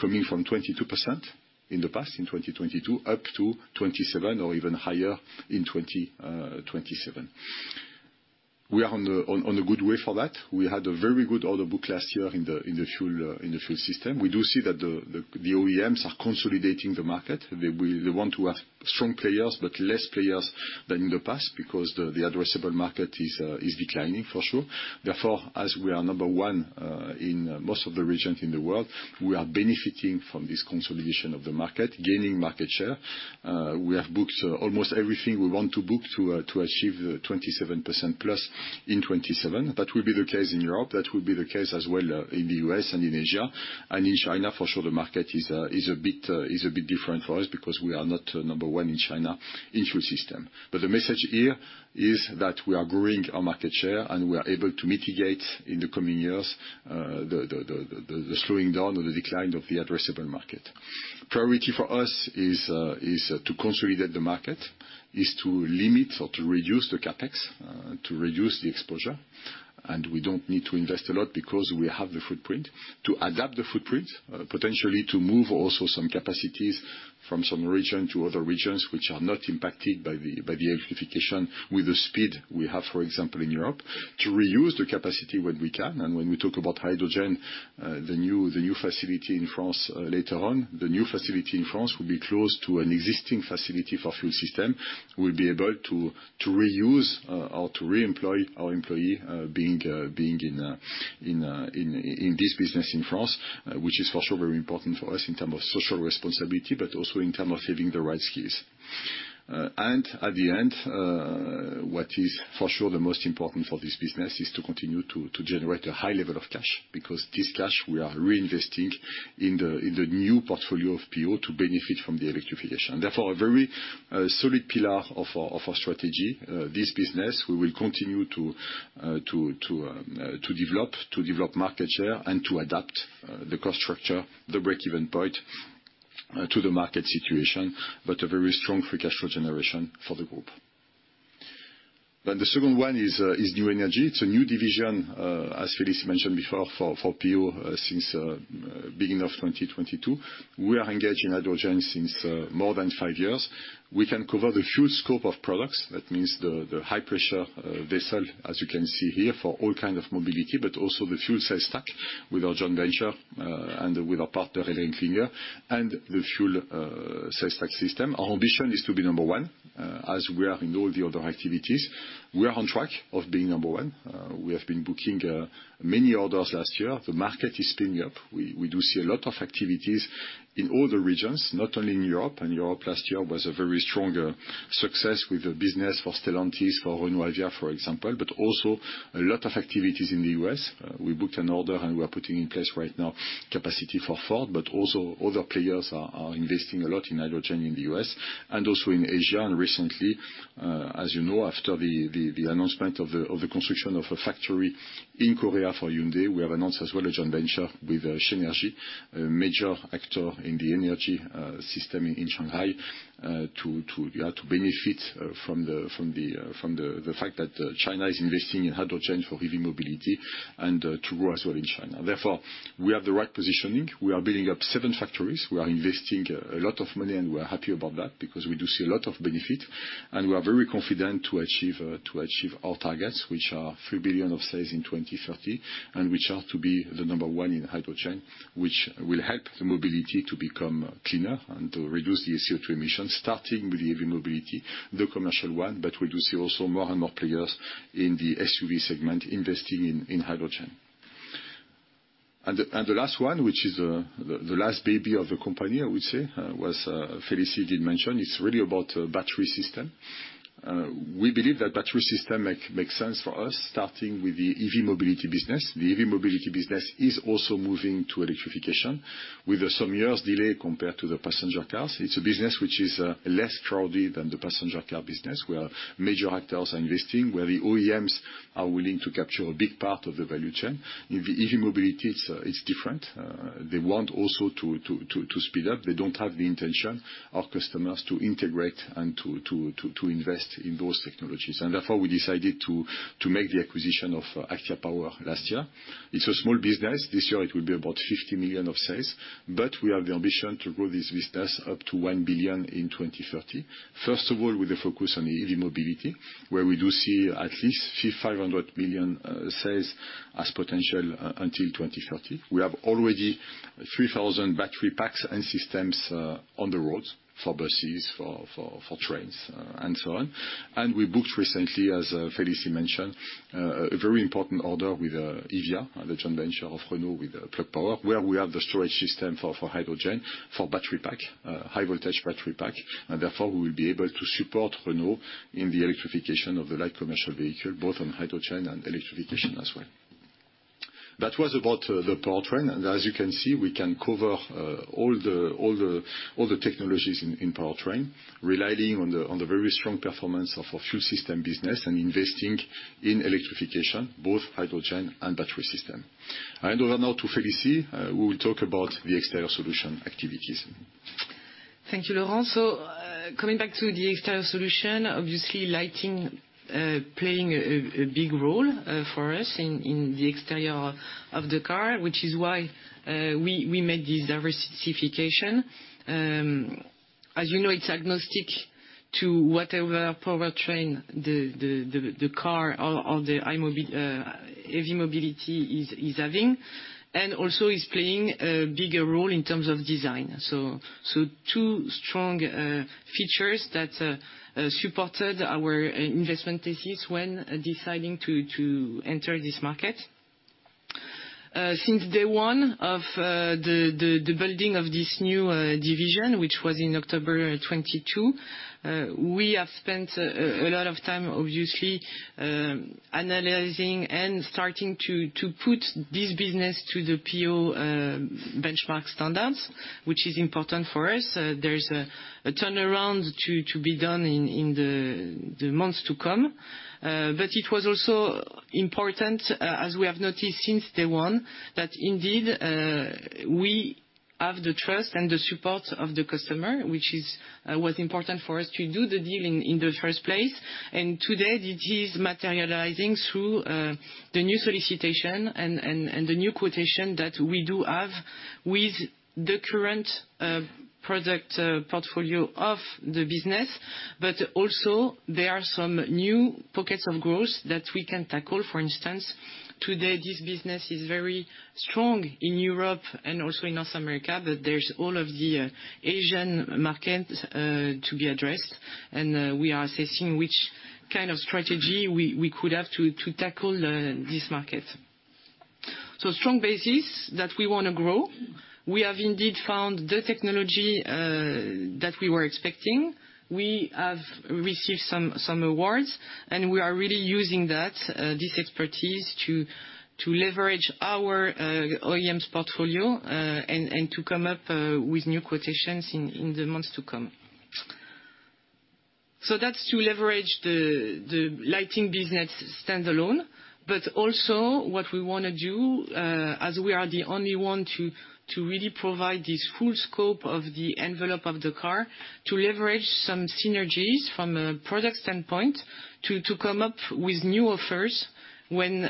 S1: coming from 22% in the past, in 2022, up to 27% or even higher in 2027. We are on a good way for that. We had a very good order book last year in the fuel system. We do see that the OEMs are consolidating the market. They want to have strong players, but less players than in the past because the addressable market is declining for sure. Therefore, as we are number one in most of the regions in the world, we are benefiting from this consolidation of the market, gaining market share. We have booked almost everything we want to book to achieve the 27%+ in 2027. That will be the case in Europe. That will be the case as well in the U.S. and in Asia. In China, for sure, the market is a bit different for us because we are not number one in China in fuel system. The message here is that we are growing our market share, and we are able to mitigate in the coming years the slowing down or the decline of the addressable market. Priority for us is to consolidate the market, is to limit or to reduce the CapEx to reduce the exposure. We don't need to invest a lot because we have the footprint. To adapt the footprint, potentially to move also some capacities from some region to other regions which are not impacted by the electrification with the speed we have, for example, in Europe. To reuse the capacity when we can. When we talk about hydrogen, the new facility in France, later on, the new facility in France will be close to an existing facility for fuel system. We'll be able to reuse or to reemploy our employee being in this business in France, which is for sure very important for us in term of social responsibility, but also in term of having the right skills. And at the end, what is for sure the most important for this business is to continue to generate a high level of cash, because this cash we are reinvesting in the new portfolio of PO to benefit from the electrification. Therefore, a very solid pillar of our strategy, this business, we will continue to develop market share and to adapt the cost structure, the break-even point, to the market situation, but a very strong free cash flow generation for the group. The second one is new energy. It's a new division, as Félicie mentioned before, for PO, since beginning of 2022. We are engaged in hydrogen since more than five years. We can cover the full scope of products. That means the high-pressure vessel, as you can see here, for all kind of mobility, but also the fuel cell stack with our joint venture and with our partner, ElringKlinger, and the fuel cell stack system. Our ambition is to be number one, as we are in all the other activities. We are on track of being number one. We have been booking many orders last year. The market is picking up. We do see a lot of activities in all the regions, not only in Europe. Europe last year was a very strong success with the business for Stellantis, for Renault HYVIA, for example, but also a lot of activities in the U.S. We booked an order. We are putting in place right now capacity for Ford. Also other players are investing a lot in hydrogen in the U.S. and also in Asia. Recently, as you know, after the announcement of the construction of a factory in Korea for Hyundai, we have announced as well a joint venture with Shenergy, a major actor in the energy system in Shanghai, to benefit from the fact that China is investing in hydrogen for heavy mobility and to grow as well in China. We have the right positioning. We are building up seven factories. We are investing a lot of money, and we are happy about that because we do see a lot of benefit. We are very confident to achieve our targets, which are 3 billion of sales in 2030, and which are to be the number one in hydrogen, which will help the mobility to become cleaner and to reduce the CO2 emissions, starting with the heavy mobility, the commercial one. We do see also more and more players in the SUV segment investing in hydrogen. The last one, which is the last baby of the company, I would say, was Félicie did mention, it's really about a battery system. We believe that battery system makes sense for us, starting with the EV mobility business. The EV mobility business is also moving to electrification with some years delay compared to the passenger cars. It's a business which is less crowded than the passenger car business, where major actors are investing, where the OEMs are willing to capture a big part of the value chain. EV mobility it's different. They want also to speed up. They don't have the intention, our customers, to integrate and to invest in those technologies. Therefore, we decided to make the acquisition of ACTIA Power last year. It's a small business. This year it will be about 50 million of sales, but we have the ambition to grow this business up to 1 billion in 2030. First of all, with a focus on the EV mobility, where we do see at least 500 million sales as potential until 2030. We have already 3,000 battery packs and systems on the road for buses, for trains, and so on. We booked recently, as Félicie mentioned, a very important order with HYVIA, the joint venture of Renault with Plug Power, where we have the storage system for hydrogen, for battery pack, high-voltage battery pack. Therefore, we will be able to support Renault in the electrification of the light commercial vehicle, both on hydrogen and electrification as well. That was about the powertrain. As you can see, we can cover all the technologies in powertrain, relying on the very strong performance of our fuel system business and investing in electrification, both hydrogen and battery system. I hand over now to Félicie, who will talk about the exterior solution activities.
S3: Thank you, Laurent. Coming back to the exterior solution, obviously lighting playing a big role for us in the exterior of the car, which is why we made this diversification. As you know, it's agnostic to whatever powertrain the car or the EV mobility is having, and also is playing a bigger role in terms of design. Two strong features that supported our investment thesis when deciding to enter this market. Since day one of the building of this new division, which was in October of 2022, we have spent a lot of time, obviously, analyzing and starting to put this business to the PO benchmark standards, which is important for us. There is a turnaround to be done in the months to come. It was also important, as we have noticed since day one, that indeed, we have the trust and the support of the customer, which was important for us to do the deal in the first place. Today, it is materializing through the new solicitation and the new quotation that we do have with the current product portfolio of the business. Also there are some new pockets of growth that we can tackle. For instance, today, this business is very strong in Europe and also in North America, there's all of the Asian market to be addressed. We are assessing which kind of strategy we could have to tackle this market. A strong basis that we wanna grow. We have indeed found the technology that we were expecting. We have received some awards, and we are really using that this expertise to leverage our OEMs portfolio and to come up with new quotations in the months to come. That's to leverage the lighting business standalone. Also what we wanna do as we are the only one to really provide this full scope of the envelope of the car, to leverage some synergies from a product standpoint, to come up with new offers when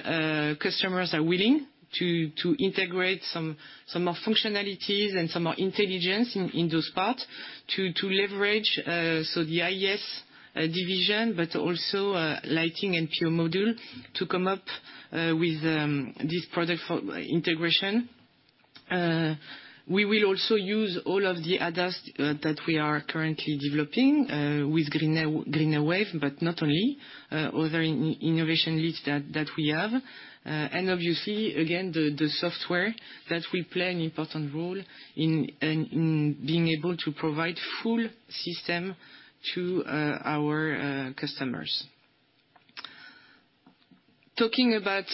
S3: customers are willing to integrate some more functionalities and some more intelligence in those parts. To leverage so the IES division, but also lighting and pure module to come up with this product for integration. We will also use all of the ADAS that we are currently developing with Greenerwave, but not only other innovation leads that we have. Obviously, again, the software that will play an important role in being able to provide full system to our customers. Talking about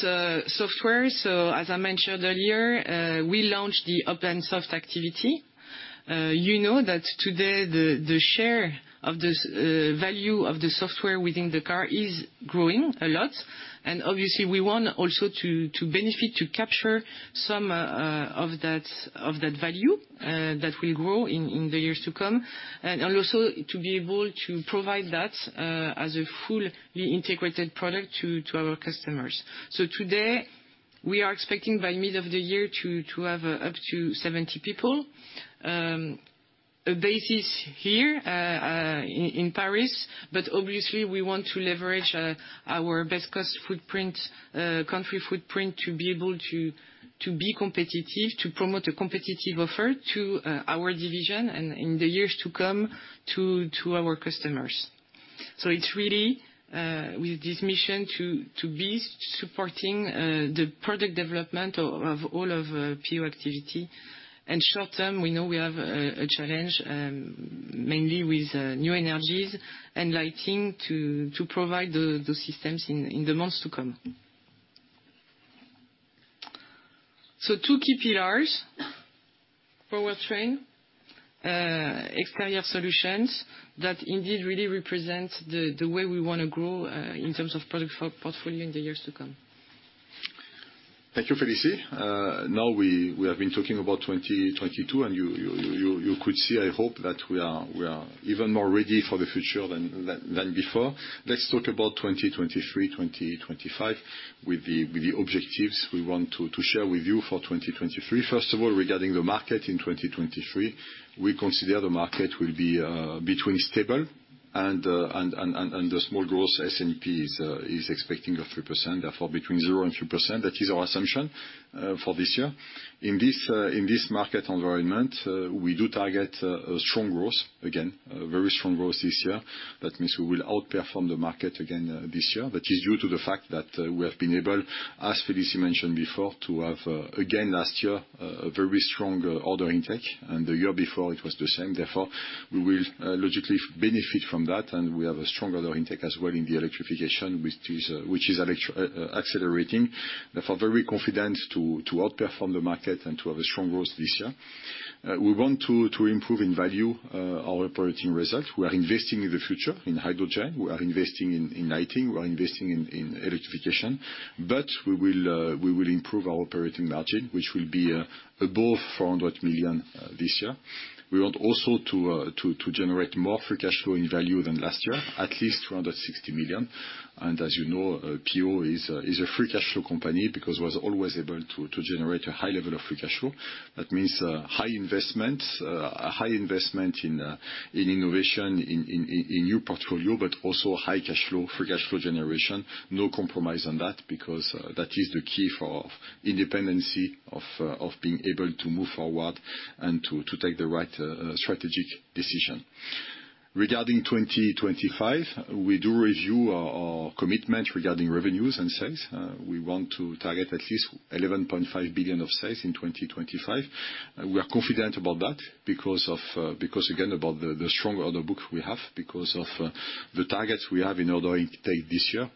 S3: software, so as I mentioned earlier, we launched the OP'nSoft activity. You know that today the share of the value of the software within the car is growing a lot, and obviously, we want also to benefit, to capture some of that value that will grow in the years to come. Also to be able to provide that as a fully integrated product to our customers. Today, we are expecting by mid of the year to have up to 70 people. A basis here in Paris, obviously, we want to leverage our best cost footprint, country footprint to be able to be competitive, to promote a competitive offer to our division and in the years to come, to our customers. It's really with this mission to be supporting the product development of all of PO activity. Short term, we know we have a challenge, mainly with new energies and lighting to provide the systems in the months to come. So, two key pillars, powertrain, exterior solutions that indeed really represent the way we wanna grow in terms of product portfolio in the years to come.
S1: Thank you, Félicie. Now we have been talking about 2022, and you could see, I hope, that we are even more ready for the future than before. Let's talk about 2023, 2025 with the objectives we want to share with you for 2023. First of all, regarding the market in 2023, we consider the market will be between stable and the small growth S&P is expecting of 3%, therefore between 0% and 3%. That is our assumption for this year. In this market environment, we do target a strong growth. Again, a very strong growth this year. That means we will outperform the market again this year, which is due to the fact that we have been able, as Félicie mentioned before, to have again last year a very strong order intake. The year before it was the same, therefore we will logically benefit from that, and we have a strong order intake as well in the electrification, which is accelerating. Therefore, very confident to outperform the market and to have a strong growth this year. We want to improve in value our operating results. We are investing in the future, in hydrogen. We are investing in lighting. We are investing in electrification. We will improve our operating margin, which will be above 400 million this year. We want also to generate more free cash flow in value than last year, at least 260 million. As you know, PO is a free cash flow company because was always able to generate a high level of free cash flow. That means high investment. A high investment in innovation, in new portfolio, but also high cash flow, free cash flow generation. No compromise on that because that is the key for independency of being able to move forward and to take the right strategic decision. Regarding 2025, we do review our commitment regarding revenues and sales. We want to target at least 11.5 billion of sales in 2025. We are confident about that because of, because again, about the strong order book we have, because of, the targets we have in order intake this year.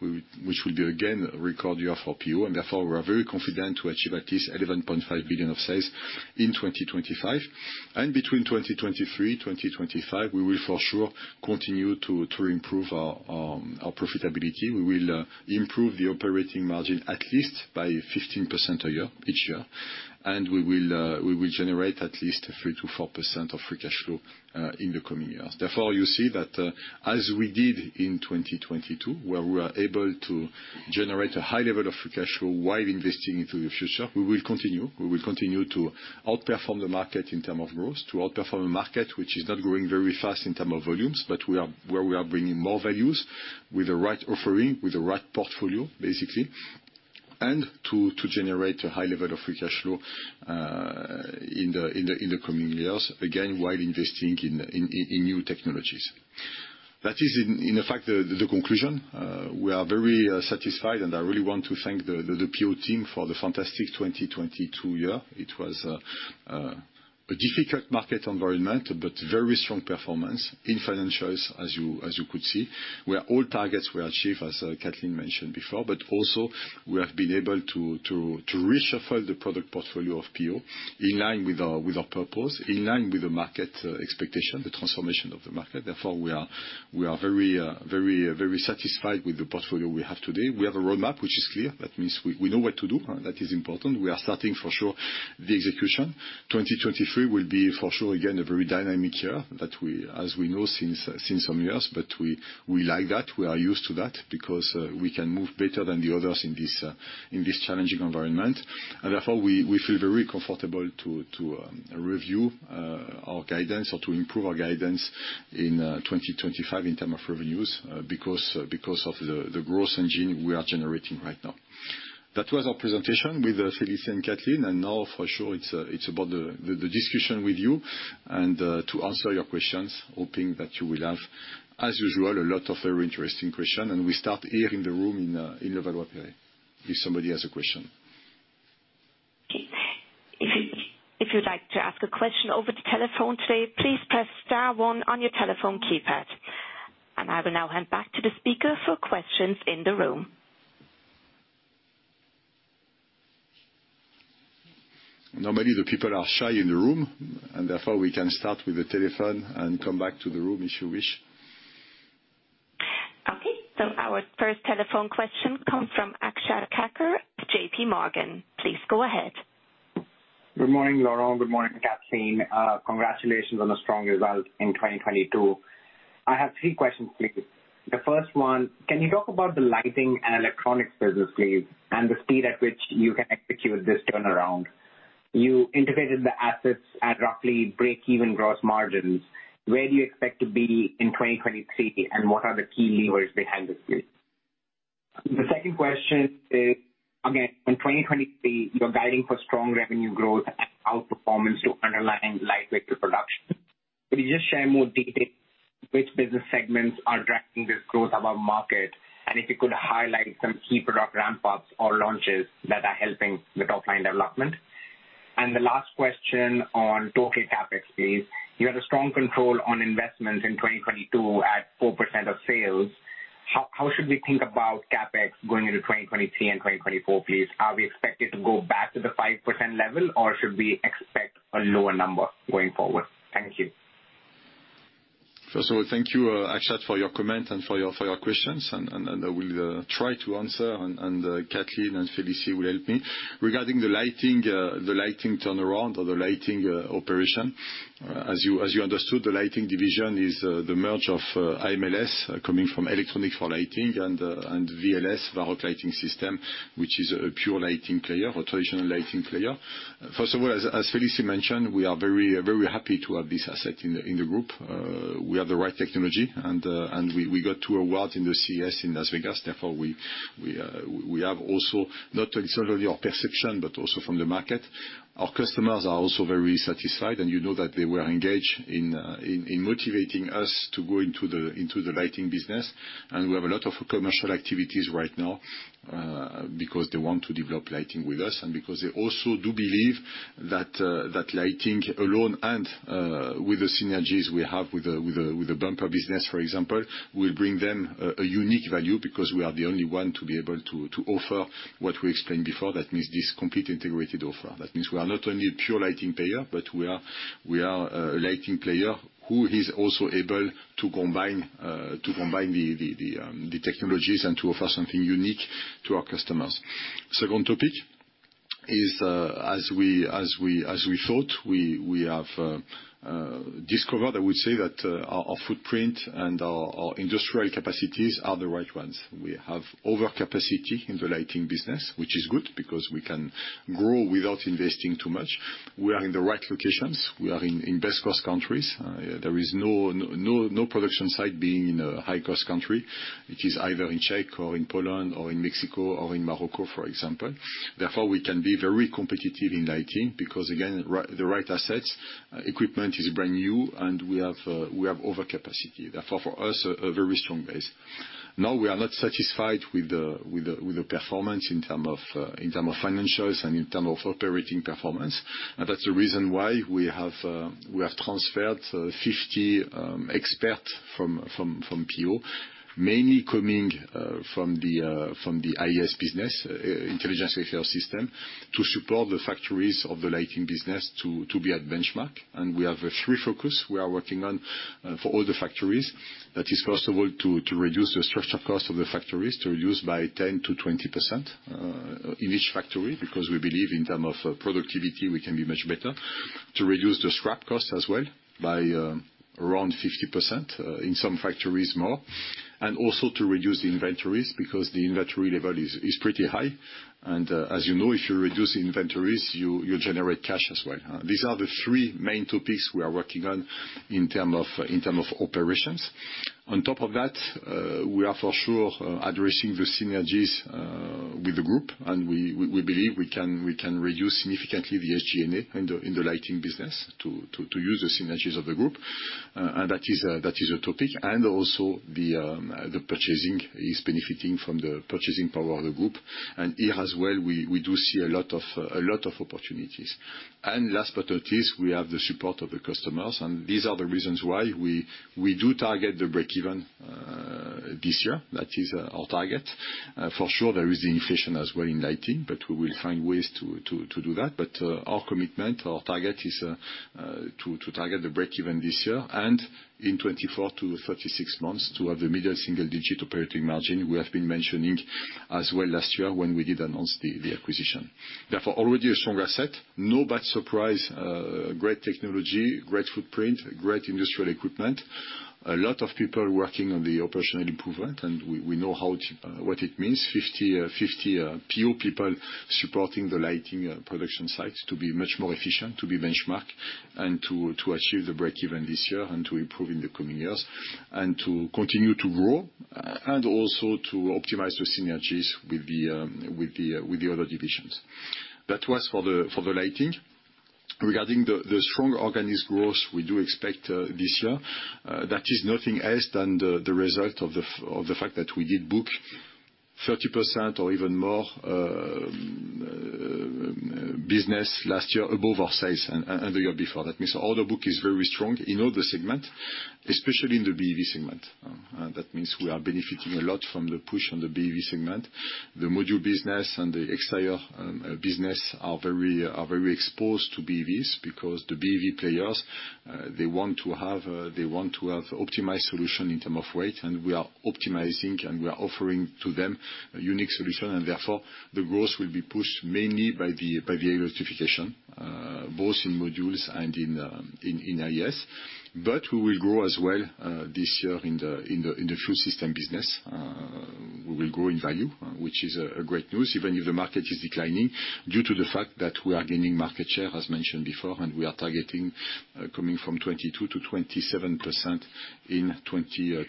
S1: Which will be again, a record year for PO, and therefore we are very confident to achieve at least 11.5 billion of sales in 2025. Between 2023-2025, we will for sure continue to improve our profitability. We will improve the operating margin at least by 15% a year, each year. We will generate at least 3%-4% of free cash flow in the coming years. Therefore, you see that, as we did in 2022, where we were able to generate a high level of free cash flow while investing into the future, we will continue. We will continue to outperform the market in term of growth, to outperform the market which is not growing very fast in term of volumes, where we are bringing more values with the right offering, with the right portfolio, basically. To generate a high level of free cash flow in the coming years, again, while investing in new technologies. That is in effect the conclusion. We are very satisfied, and I really want to thank the PO team for the fantastic 2022 year. It was a difficult market environment, but very strong performance in financials as you could see, where all targets were achieved, as Kathleen mentioned before. Also we have been able to reshuffle the product portfolio of PO in line with our purpose, in line with the market expectation, the transformation of the market. Therefore, we are very, very satisfied with the portfolio we have today. We have a roadmap which is clear. That means we know what to do. That is important. We are starting for sure the execution. 2023 will be for sure, again, a very dynamic year that we, as we know since some years. We like that. We are used to that because we can move better than the others in this challenging environment. Therefore we feel very comfortable to review our guidance or to improve our guidance in 2025 in term of revenues because of the growth engine we are generating right now. That was our presentation with Félicie and Kathleen, now for sure it's about the discussion with you and to answer your questions, hoping that you will have, as usual, a lot of very interesting question. We start here in the room in Levallois-Perret, if somebody has a question.
S4: Okay. If you'd like to ask a question over the telephone today, please press star one on your telephone keypad. I will now hand back to the speaker for questions in the room.
S1: Normally, the people are shy in the room, and therefore we can start with the telephone and come back to the room if you wish.
S4: Okay. Our first telephone question comes from Akshat Kacker at JPMorgan. Please go ahead.
S5: Good morning, Laurent. Good morning, Kathleen. Congratulations on the strong result in 2022. I have three questions, please. The first one, can you talk about the lighting and electronics business, please, and the speed at which you can execute this turnaround? You integrated the assets at roughly break-even gross margins. Where do you expect to be in 2023, and what are the key levers behind this, please? The second question is, again, in 2023, you're guiding for strong revenue growth and outperformance to underlying light vehicle production. Could you just share more detail which business segments are driving this growth above market? If you could highlight some key product ramp-ups or launches that are helping the top line development. The last question on total CapEx, please. You had a strong control on investments in 2022 at 4% of sales. How should we think about CapEx going into 2023 and 2024, please? Are we expected to go back to the 5% level, or should we expect a lower number going forward? Thank you.
S1: First of all, thank you, Akshat, for your comment and for your questions, and I will try to answer, and Kathleen and Félicie will help me. Regarding the lighting turnaround or the lighting operation, as you understood, the lighting division is the merge of AMLS, coming from Automotive Lighting, and VLS, Varroc Visibility Systems, which is a pure lighting player, traditional lighting player. First of all, as Félicie mentioned, we are very happy to have this asset in the group. We have the right technology and we got two award in the CES in Las Vegas. Therefore, we have also not only sort of your perception, but also from the market. Our customers are also very satisfied, you know that they were engaged in motivating us to go into the lighting business. We have a lot of commercial activities right now, because they want to develop lighting with us, and because they also do believe that lighting alone and with the synergies we have with the bumper business, for example, will bring them a unique value because we are the only one to be able to offer what we explained before. That means this complete integrated offer. That means we are not only a pure lighting player, but we are a lighting player who is also able to combine the technologies and to offer something unique to our customers. Second topic is, as we thought, we have discovered, I would say that our footprint and our industrial capacities are the right ones. We have over capacity in the lighting business, which is good because we can grow without investing too much. We are in the right locations. We are in best cost countries. There is no production site being in a high cost country. It is either in Czech or in Poland or in Mexico or in Morocco, for example. Therefore, we can be very competitive in lighting because again, the right assets, equipment is brand new, and we have over capacity. Therefore, for us, a very strong base. No, we are not satisfied with the performance in term of financials and in term of operating performance. That's the reason why we have transferred 50 expert from PO, mainly coming from the IES business, Intelligent Exterior Systems, to support the factories of the lighting business to be at benchmark. We have three focus we are working on for all the factories. That is, first of all, to reduce the structural cost of the factories, to reduce by 10% to 20% in each factory because we believe in term of productivity we can be much better. To reduce the scrap cost as well by around 50% in some factories more, and also to reduce the inventories because the inventory level is pretty high, and as you know, if you reduce inventories, you generate cash as well, huh? These are the three main topics we are working on in term of operations. On top of that, we are for sure addressing the synergies with the group. We believe we can reduce significantly the SG&A in the lighting business to use the synergies of the group, and that is a topic. Also the purchasing is benefiting from the purchasing power of the group. Here as well, we do see a lot of opportunities. Last but not least, we have the support of the customers. These are the reasons why we do target the break even this year. That is our target. For sure there is the inflation as well in lighting, but we will find ways to do that. Our commitment, our target is to target the break even this year and in 24-36 months to have the mid single-digit operating margin we have been mentioning as well last year when we did announce the acquisition. Already a strong asset, no bad surprise, great technology, great footprint, great industrial equipment. A lot of people working on the operational improvement, and we know how to... what it means. 50 PO people supporting the lighting production sites to be much more efficient, to be benchmark, and to achieve the break even this year and to improve in the coming years. Also to optimize the synergies with the other divisions. That was for the lighting. Regarding the strong organized growth we do expect this year, that is nothing else than the result of the fact that we did book 30% or even more business last year above our sales and the year before. That means order book is very strong in all the segment, especially in the BEV segment. That means we are benefiting a lot from the push on the BEV segment. The Module business and the exterior business are very exposed to BEVs because the BEV players, they want to have optimized solution in term of weight, and we are optimizing and we are offering to them a unique solution, and therefore the growth will be pushed mainly by the electrification, both in Modules and in IES. We will grow as well this year in the fuel system business. We will grow in value, which is a great news even if the market is declining due to the fact that we are gaining market share as mentioned before, and we are targeting coming from 22%-27% in 2027.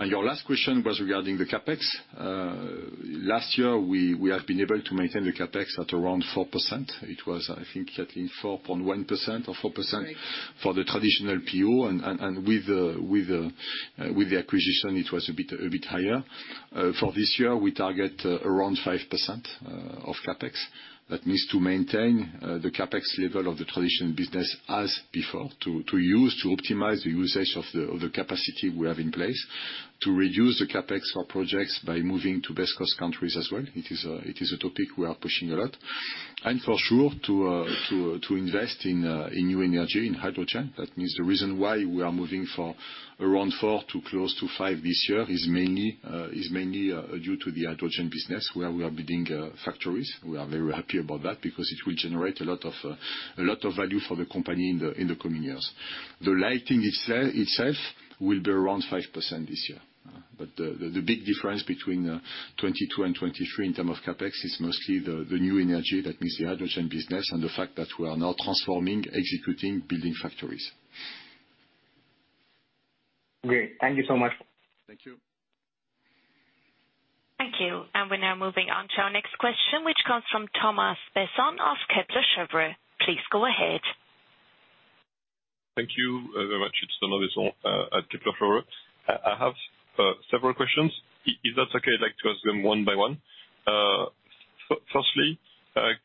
S1: Your last question was regarding the CapEx. Last year, we have been able to maintain the CapEx at around 4%. It was, I think, Kathleen, 4.1% or 4%.
S2: Right.
S1: For the traditional PO and with the acquisition it was a bit higher. For this year, we target around 5% of CapEx. That means to maintain the CapEx level of the traditional business as before to use, to optimize the usage of the capacity we have in place. To reduce the CapEx for projects by moving to best cost countries as well. It is a topic we are pushing a lot. For sure to invest in new energy, in hydrogen. That means the reason why we are moving for around 4 to close to 5 this year is mainly due to the hydrogen business where we are building factories. We are very happy about that because it will generate a lot of, a lot of value for the company in the, in the coming years. The lighting itself will be around 5% this year. The big difference between 2022 and 2023 in term of CapEx is mostly the new energy, that means the hydrogen business, and the fact that we are now transforming, executing, building factories.
S5: Great. Thank you so much.
S1: Thank you.
S4: Thank you. We're now moving on to our next question, which comes from Thomas Besson of Kepler Cheuvreux. Please go ahead.
S6: Thank you very much. It's Thomas Besson at Kepler Cheuvreux. I have several questions. If that's okay, I'd like to ask them one by one. Firstly,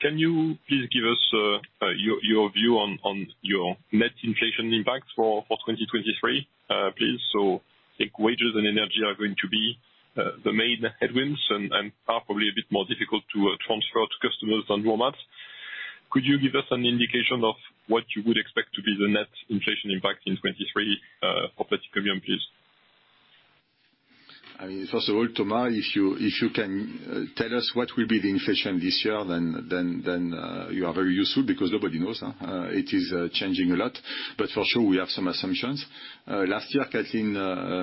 S6: can you please give us your view on your net inflation impact for 2023, please? I think wages and energy are going to be the main headwinds and are probably a bit more difficult to transfer to customers than raw mats. Could you give us an indication of what you would expect to be the net inflation impact in 2023 for Plastic Omnium, please?
S1: I mean, first of all, Thomas, if you can tell us what will be the inflation this year then you are very useful because nobody knows, huh? It is changing a lot. For sure we have some assumptions. Last year, Kathleen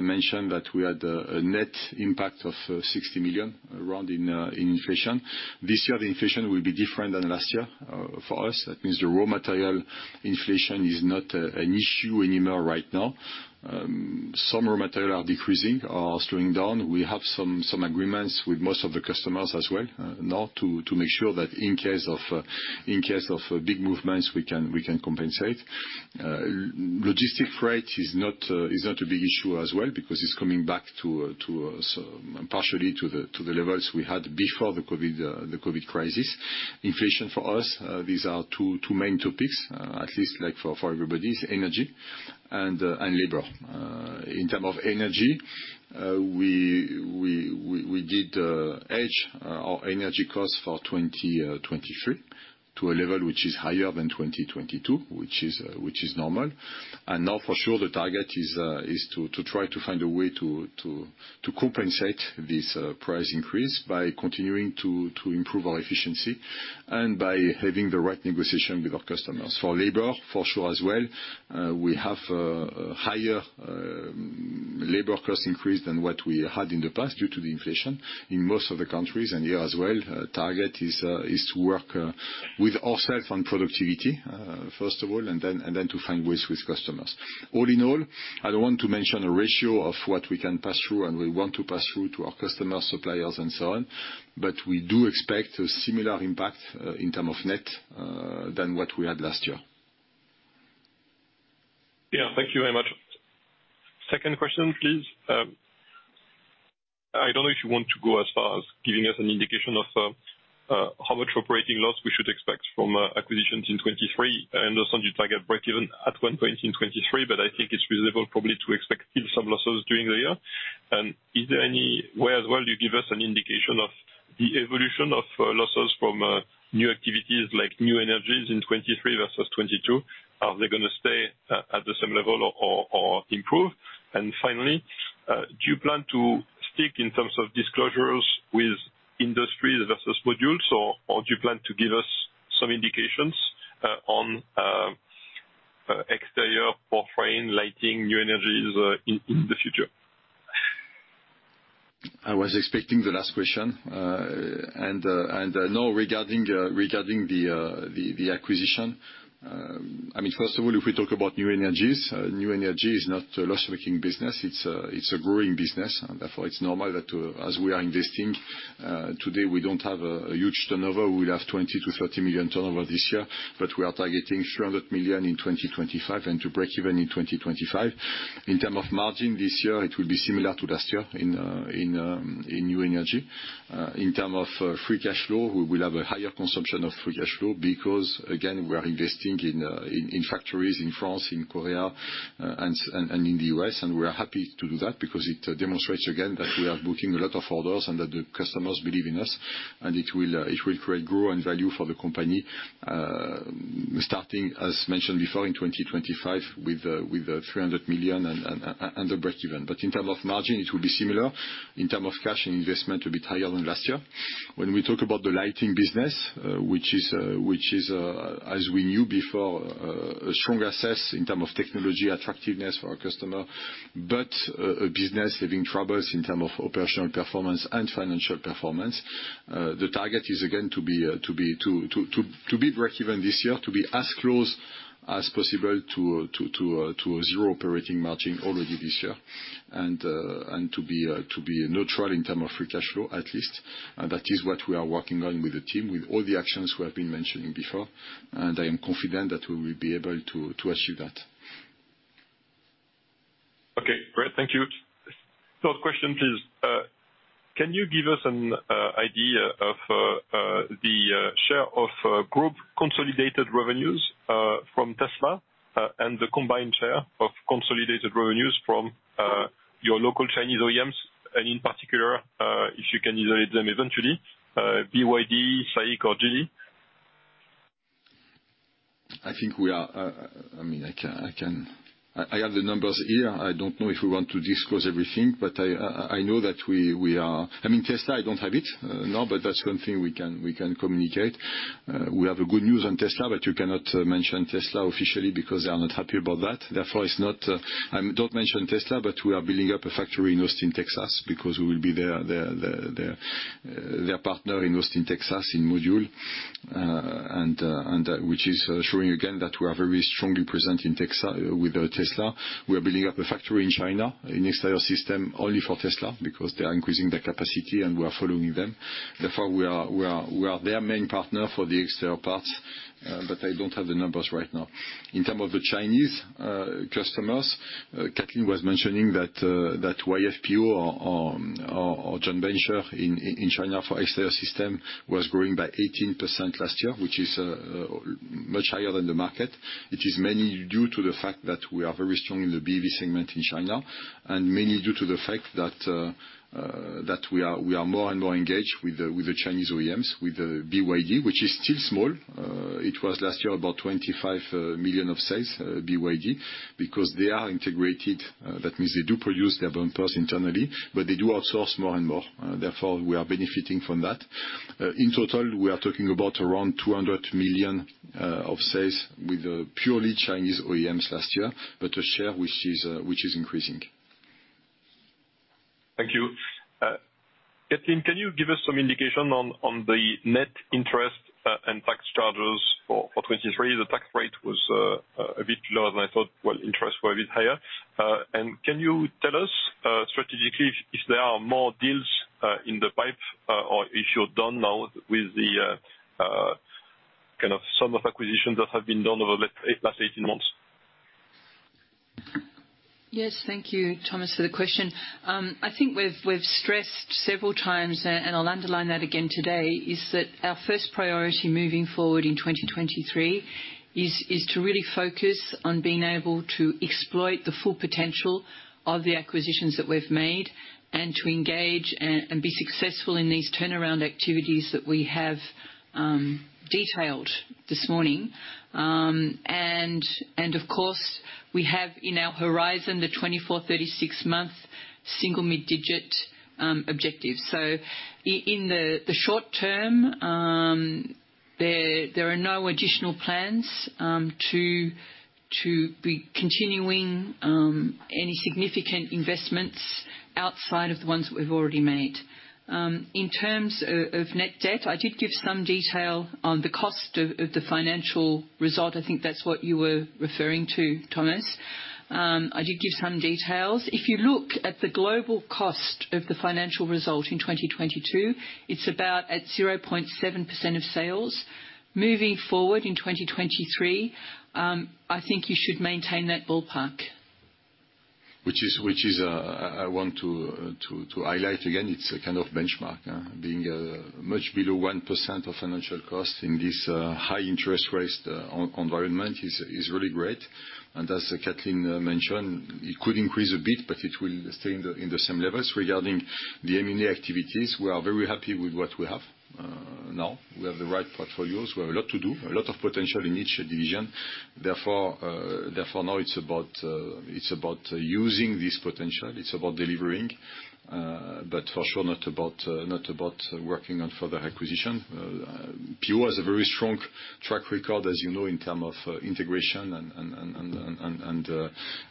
S1: mentioned that we had a net impact of 60 million around in inflation. This year, the inflation will be different than last year for us. That means the raw material inflation is not an issue anymore right now. Some raw material are decreasing or slowing down. We have some agreements with most of the customers as well now to make sure that in case of in case of big movements, we can compensate. Logistic rate is not a big issue as well because it's coming back to partially to the levels we had before the COVID crisis. Inflation for us, these are two main topics, at least like for everybody's energy and labor. In term of energy, we did hedge our energy costs for 2023 to a level which is higher than 2022, which is normal. Now for sure the target is to try to find a way to compensate this price increase by continuing to improve our efficiency and by having the right negotiation with our customers. For labor, for sure as well, we have a higher labor cost increase than what we had in the past due to the inflation in most of the countries. Here as well, target is to work with ourself on productivity, first of all, and then to find ways with customers. All in all, I don't want to mention a ratio of what we can pass through and we want to pass through to our customers, suppliers and so on. We do expect a similar impact in term of net than what we had last year.
S6: Yeah. Thank you very much. Second question, please. I don't know if you want to go as far as giving us an indication of how much operating loss we should expect from acquisitions in 2023. I know some even target breakeven at 1 point in 2023, but I think it's reasonable probably to expect still some losses during the year. Is there any way as well you give us an indication of the evolution of losses from new activities like new energies in 2023 versus 2022? Are they gonna stay at the same level or improve? Finally, do you plan to stick in terms of disclosures with Industries versus Modules or do you plan to give us some indications on exterior, powertrain, lighting, new energies in the future?
S1: I was expecting the last question. Regarding the acquisition, I mean, first of all, if we talk about new energies, new energy is not a loss-making business. It's a growing business, therefore it's normal that as we are investing, today we don't have a huge turnover. We'll have 20 million-30 million turnover this year, we are targeting 300 million in 2025 and to break even in 2025. In terms of margin this year, it will be similar to last year in new energy. In term of free cash flow, we will have a higher consumption of free cash flow because again, we are investing in factories in France, in Korea, and in the U.S. and we are happy to do that because it demonstrates again that we are booking a lot of orders and that the customers believe in us and it will create growth and value for the company, starting, as mentioned before, in 2025 with 300 million and a break even. In term of margin, it will be similar. In term of cash and investment, a bit higher than last year. When we talk about the lighting business, which is as we knew before, a strong asset in terms of technology, attractiveness for our customer, but a business having troubles in terms of operational performance and financial performance. The target is again to be break-even this year, to be as close as possible to a zero operating margin already this year and to be neutral in terms of free cash flow at least, and that is what we are working on with the team with all the actions we have been mentioning before. I am confident that we will be able to achieve that.
S6: Okay, great. Thank you. Third question, please. Can you give us an idea of the share of group consolidated revenues from Tesla and the combined share of consolidated revenues from your local Chinese OEMs, and in particular, if you can isolate them eventually, BYD, SAIC or Geely?
S1: I think we are, I mean, I have the numbers here. I don't know if we want to disclose everything, but I know that we are. I mean, Tesla, I don't have it now, but that's one thing we can communicate. We have a good news on Tesla, but you cannot mention Tesla officially because they are not happy about that. Therefore, it's not. Don't mention Tesla, but we are building up a factory in Austin, Texas, because we will be their partner in Austin, Texas, in Module. And, which is showing again that we are very strongly present with Tesla. We are building up a factory in China, an exterior system only for Tesla because they are increasing their capacity, we are following them. We are their main partner for the exterior parts. I don't have the numbers right now. In terms of the Chinese customers, Kathleen was mentioning that YFPO or joint venture in China for exterior system was growing by 18% last year, which is much higher than the market. It is mainly due to the fact that we are very strong in the BEV segment in China, mainly due to the fact that we are more and more engaged with the Chinese OEMs, with the BYD, which is still small. It was last year about 25 million of sales, BYD, because they are integrated. That means they do produce their bumpers internally, but they do outsource more and more. Therefore, we are benefiting from that. In total, we are talking about around 200 million of sales with purely Chinese OEMs last year, but a share which is increasing.
S6: Thank you. Kathleen, can you give us some indication on the net interest and tax charges for 2023? The tax rate was a bit lower than I thought, while interest were a bit higher. Can you tell us strategically if there are more deals in the pipe, or if you're done now with the kind of sum of acquisitions that have been done over the last 18 months?
S2: Yes. Thank you, Thomas, for the question. I think we've stressed several times, and I'll underline that again today, is that our first priority moving forward in 2023 is to really focus on being able to exploit the full potential of the acquisitions that we've made and to engage and be successful in these turnaround activities that we have detailed this morning. Of course, we have in our horizon the 24-36-month single mid-digit objective. In the short term, there are no additional plans to be continuing any significant investments outside of the ones that we've already made. In terms of net debt, I did give some detail on the cost of the financial result. I think that's what you were referring to, Thomas. I did give some details. If you look at the global cost of the financial result in 2022, it's about at 0.7% of sales. Moving forward in 2023, I think you should maintain that ballpark.
S1: Which is, I want to highlight again, it's a kind of benchmark, being much below 1% of financial costs in this high interest rates environment is really great. As Kathleen mentioned, it could increase a bit, but it will stay in the same levels. Regarding the M&A activities, we are very happy with what we have now. We have the right portfolios. We have a lot to do, a lot of potential in each division. Therefore, now it's about using this potential. It's about delivering, for sure, not about working on further acquisition. PO has a very strong track record, as you know, in term of integration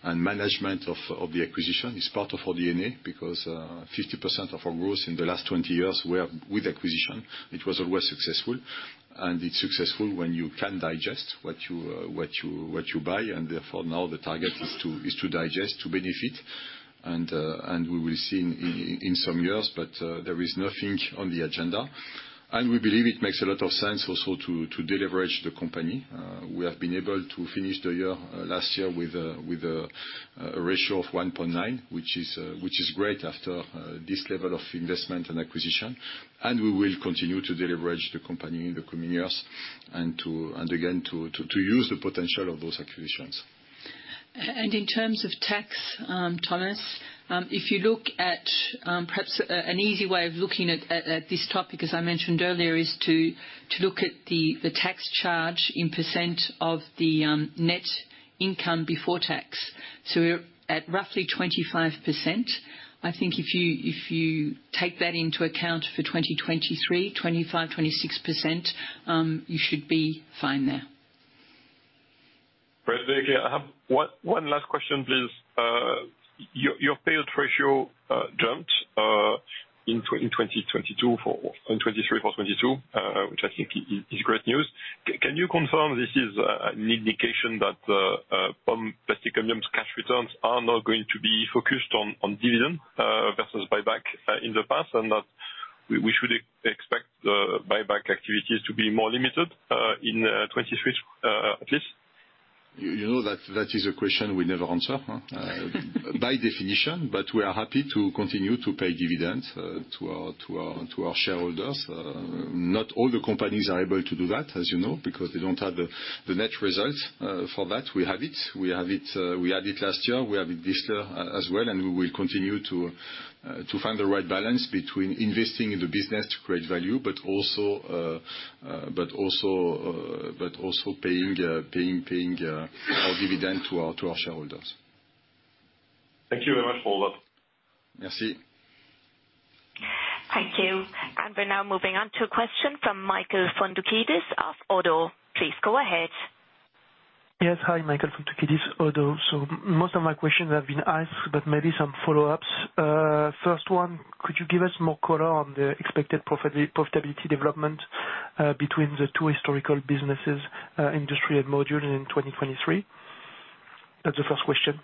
S1: and management of the acquisition. It's part of our DNA because 50% of our growth in the last 20 years were with acquisition. It was always successful, and it's successful when you can digest what you buy, and therefore, now the target is to digest, to benefit. We will see in some years, but there is nothing on the agenda. We believe it makes a lot of sense also to deleverage the company. We have been able to finish the year last year with a ratio of 1.9x, which is great after this level of investment and acquisition. We will continue to deleverage the company in the coming years and to, and again, to use the potential of those acquisitions.
S2: In terms of tax, Thomas, if you look at, perhaps, an easy way of looking at this topic, as I mentioned earlier, is to look at the tax charge in percent of the net income before tax. We're at roughly 25%. I think if you take that into account for 2023, 25%-26%, you should be fine there.
S6: Great. Thank you. I have one last question, please. Your payout ratio jumped in 2023 for 2022, which I think is great news. Can you confirm this is an indication that from Plastic Omnium's cash returns are now going to be focused on dividend versus buyback in the past, and that we should expect buyback activities to be more limited in 2023, at least?
S1: You know that is a question we never answer by definition, but we are happy to continue to pay dividends to our shareholders. Not all the companies are able to do that, as you know, because they don't have the net results for that. We have it. We have it, we had it last year, we have it this year as well, and we will continue to find the right balance between investing in the business to create value, but also paying our dividend to our shareholders.
S6: Thank you very much, Laurent.
S1: Merci.
S4: Thank you. We're now moving on to a question from Michael Foundoukidis of Oddo. Please go ahead.
S7: Yes. Hi, Michael Foundoukidis, Oddo BHF. Most of my questions have been asked, but maybe some follow-ups. First one, could you give us more color on the expected profitability development between the two historical businesses, industry and Module in 2023? That's the first question.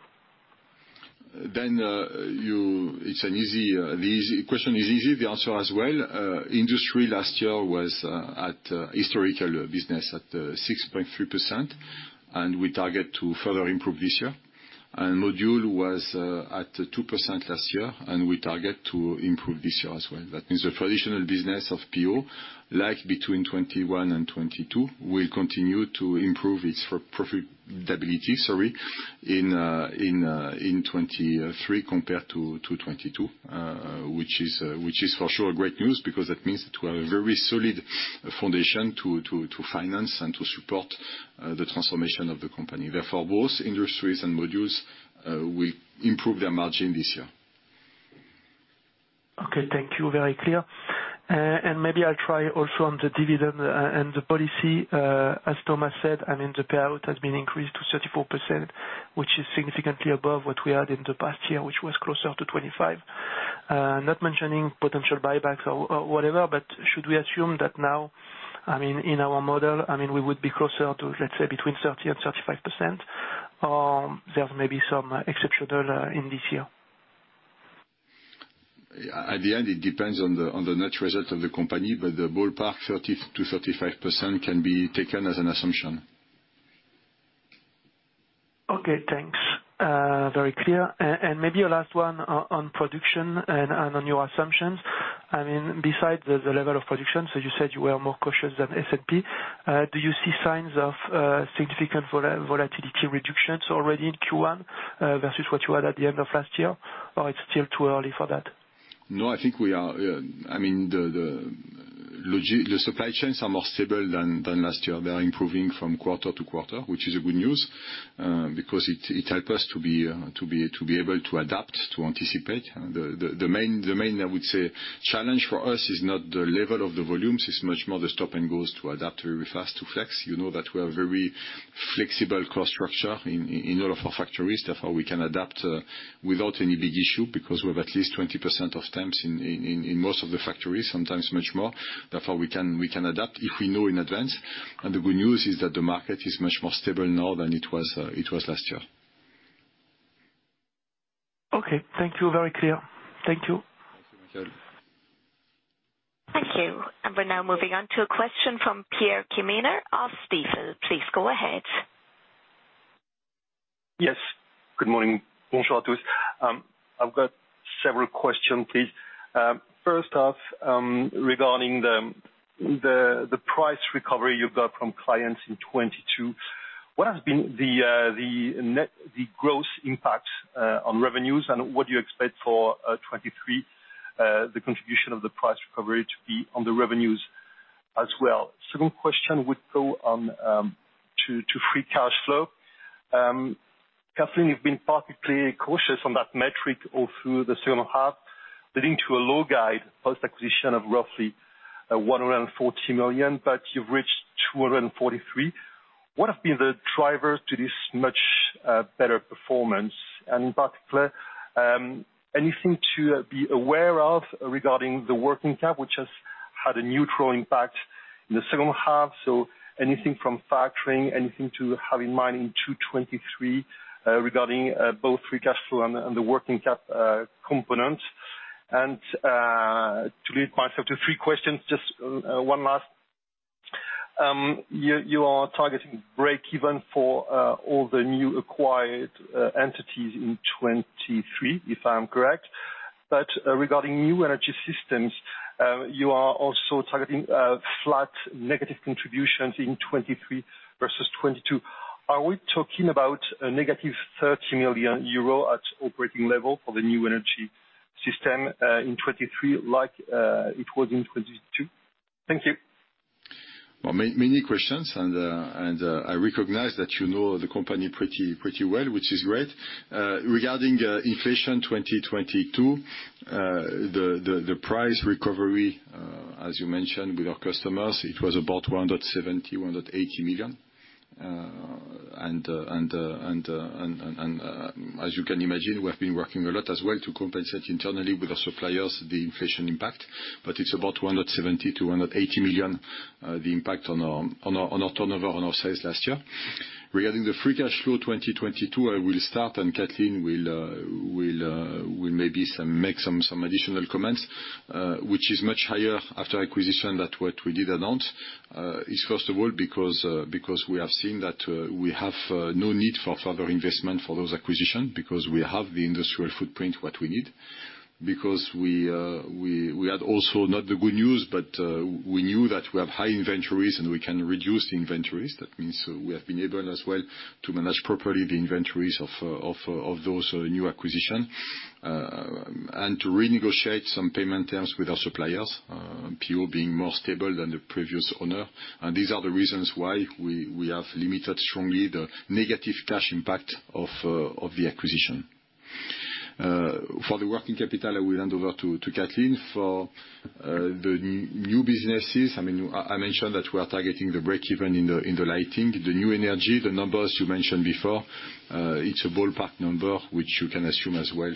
S1: It's an easy, Question is easy, the answer as well. Industry last year was at historical business at 6.3%, We target to further improve this year. Module was at 2% last year, We target to improve this year as well. That means the traditional business of PO, like between 2021 and 2022, will continue to improve its pro-profitability, sorry, in 2023 compared to 2022. Which is for sure great news because that means that we have a very solid foundation to finance and to support the transformation of the company. Therefore, both Industries and Modules will improve their margin this year.
S7: Okay. Thank you. Very clear. Maybe I'll try also on the dividend and the policy, as Thomas said, I mean, the payout has been increased to 34%, which is significantly above what we had in the past year, which was closer to 25%. Not mentioning potential buybacks or whatever, should we assume that now, I mean, in our model, I mean, we would be closer to, let's say, between 30% and 35%? There's maybe some exceptional in this year.
S1: At the end, it depends on the net result of the company. The ballpark 30%-35% can be taken as an assumption.
S7: Okay. Thanks. very clear. Maybe a last one on production and on your assumptions. I mean, besides the level of production, so you said you were more cautious than S&P. Do you see signs of significant volatility reductions already in Q1, versus what you had at the end of last year, or it's still too early for that?
S1: No, I think we are, I mean, the supply chains are more stable than last year. They are improving from quarter to quarter, which is a good news, because it help us to be able to adapt, to anticipate. The main, I would say, challenge for us is not the level of the volumes. It's much more the stop and goes to adapt very fast to flex. You know that we are very flexible cost structure in all of our factories. Therefore, we can adapt without any big issue because we have at least 20% of temps in most of the factories, sometimes much more. Therefore, we can adapt if we know in advance. The good news is that the market is much more stable now than it was last year.
S7: Okay. Thank you. Very clear. Thank you.
S1: Thank you, Michael.
S4: Thank you. We're now moving on to a question from Pierre-Yves Quemener of Stifel. Please go ahead.
S8: Yes. Good morning. Bonjour à tous. I've got several question, please. First off, regarding the price recovery you got from clients in 2022. What has been the net, the gross impact on revenues? What do you expect for 2023, the contribution of the price recovery to be on the revenues as well? Second question would go on to free cash flow. Kathleen, you've been particularly cautious on that metric all through the second half, leading to a low guide post-acquisition of roughly 140 million, but you've reached 243 million. What have been the drivers to this much better performance? In particular, anything to be aware of regarding the working cap, which has had a neutral impact in the second half. Anything from factoring, anything to have in mind in to 2023, regarding both free cash flow and the, and the working cap component? To limit myself to three questions, just one last. You are targeting break even for all the new acquired entities in 2023, if I'm correct. Regarding new energy systems, you are also targeting flat negative contributions in 2023 versus 2022. Are we talking about a negative 30 million euro at operating level for the new energy system in 2023 like it was in 2022? Thank you.
S1: Well, many questions, I recognize that you know the company pretty well, which is great. Regarding inflation 2022, the price recovery, as you mentioned with our customers, it was about 170 million, 180 million. As you can imagine, we've been working a lot as well to compensate internally with our suppliers the inflation impact. It's about 170 million-180 million, the impact on our turnover, on our sales last year. Regarding the free cash flow 2022, I will start, and Kathleen will make some additional comments. Which is much higher after acquisition than what we did announce. It's first of all because we have seen that we have no need for further investment for those acquisition because we have the industrial footprint what we need. We had also not the good news, but we knew that we have high inventories, and we can reduce inventories. That means we have been able as well to manage properly the inventories of those new acquisition. To renegotiate some payment terms with our suppliers, PO being more stable than the previous owner. These are the reasons why we have limited strongly the negative cash impact of the acquisition. For the working capital, I will hand over to Kathleen. For the new businesses, I mean, I mentioned that we are targeting the break-even in the lighting. The New Energy, the numbers you mentioned before, it's a ballpark number which you can assume as well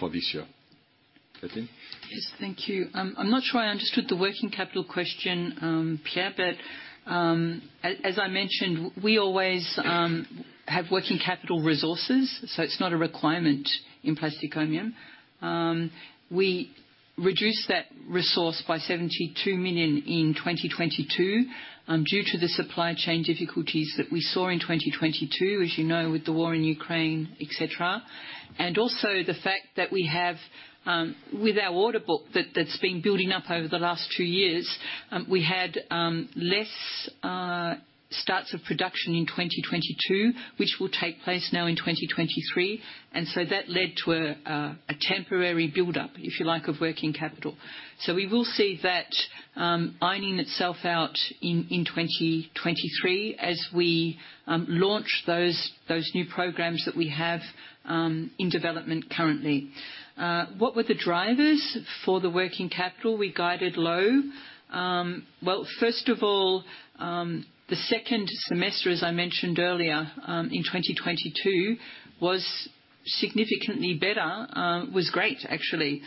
S1: for this year. Kathleen?
S2: Yes, thank you. I'm not sure I understood the working capital question, Pierre, but as I mentioned, we always have working capital resources, so it's not a requirement in Plastic Omnium. We reduced that resource by 72 million in 2022 due to the supply chain difficulties that we saw in 2022, as you know, with the war in Ukraine, et cetera. Also the fact that we have with our order book that's been building up over the last two years, we had less starts of production in 2022, which will take place now in 2023. So that led to a temporary buildup, if you like, of working capital. We will see that ironing itself out in 2023 as we launch those new programs that we have in development currently. What were the drivers for the working capital we guided low? Well, first of all, the second semester, as I mentioned earlier, in 2022 was significantly better, was great actually.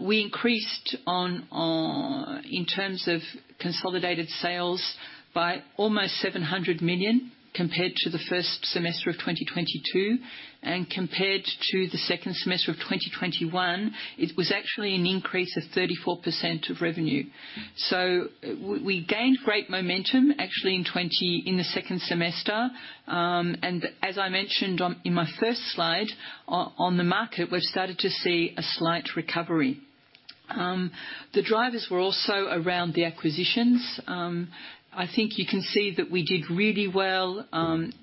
S2: We increased in terms of consolidated sales by almost 700 million compared to the first semester of 2022. Compared to the second semester of 2021, it was actually an increase of 34% of revenue. We gained great momentum actually in the second semester. As I mentioned in my first slide, on the market, we've started to see a slight recovery. The drivers were also around the acquisitions. I think you can see that we did really well.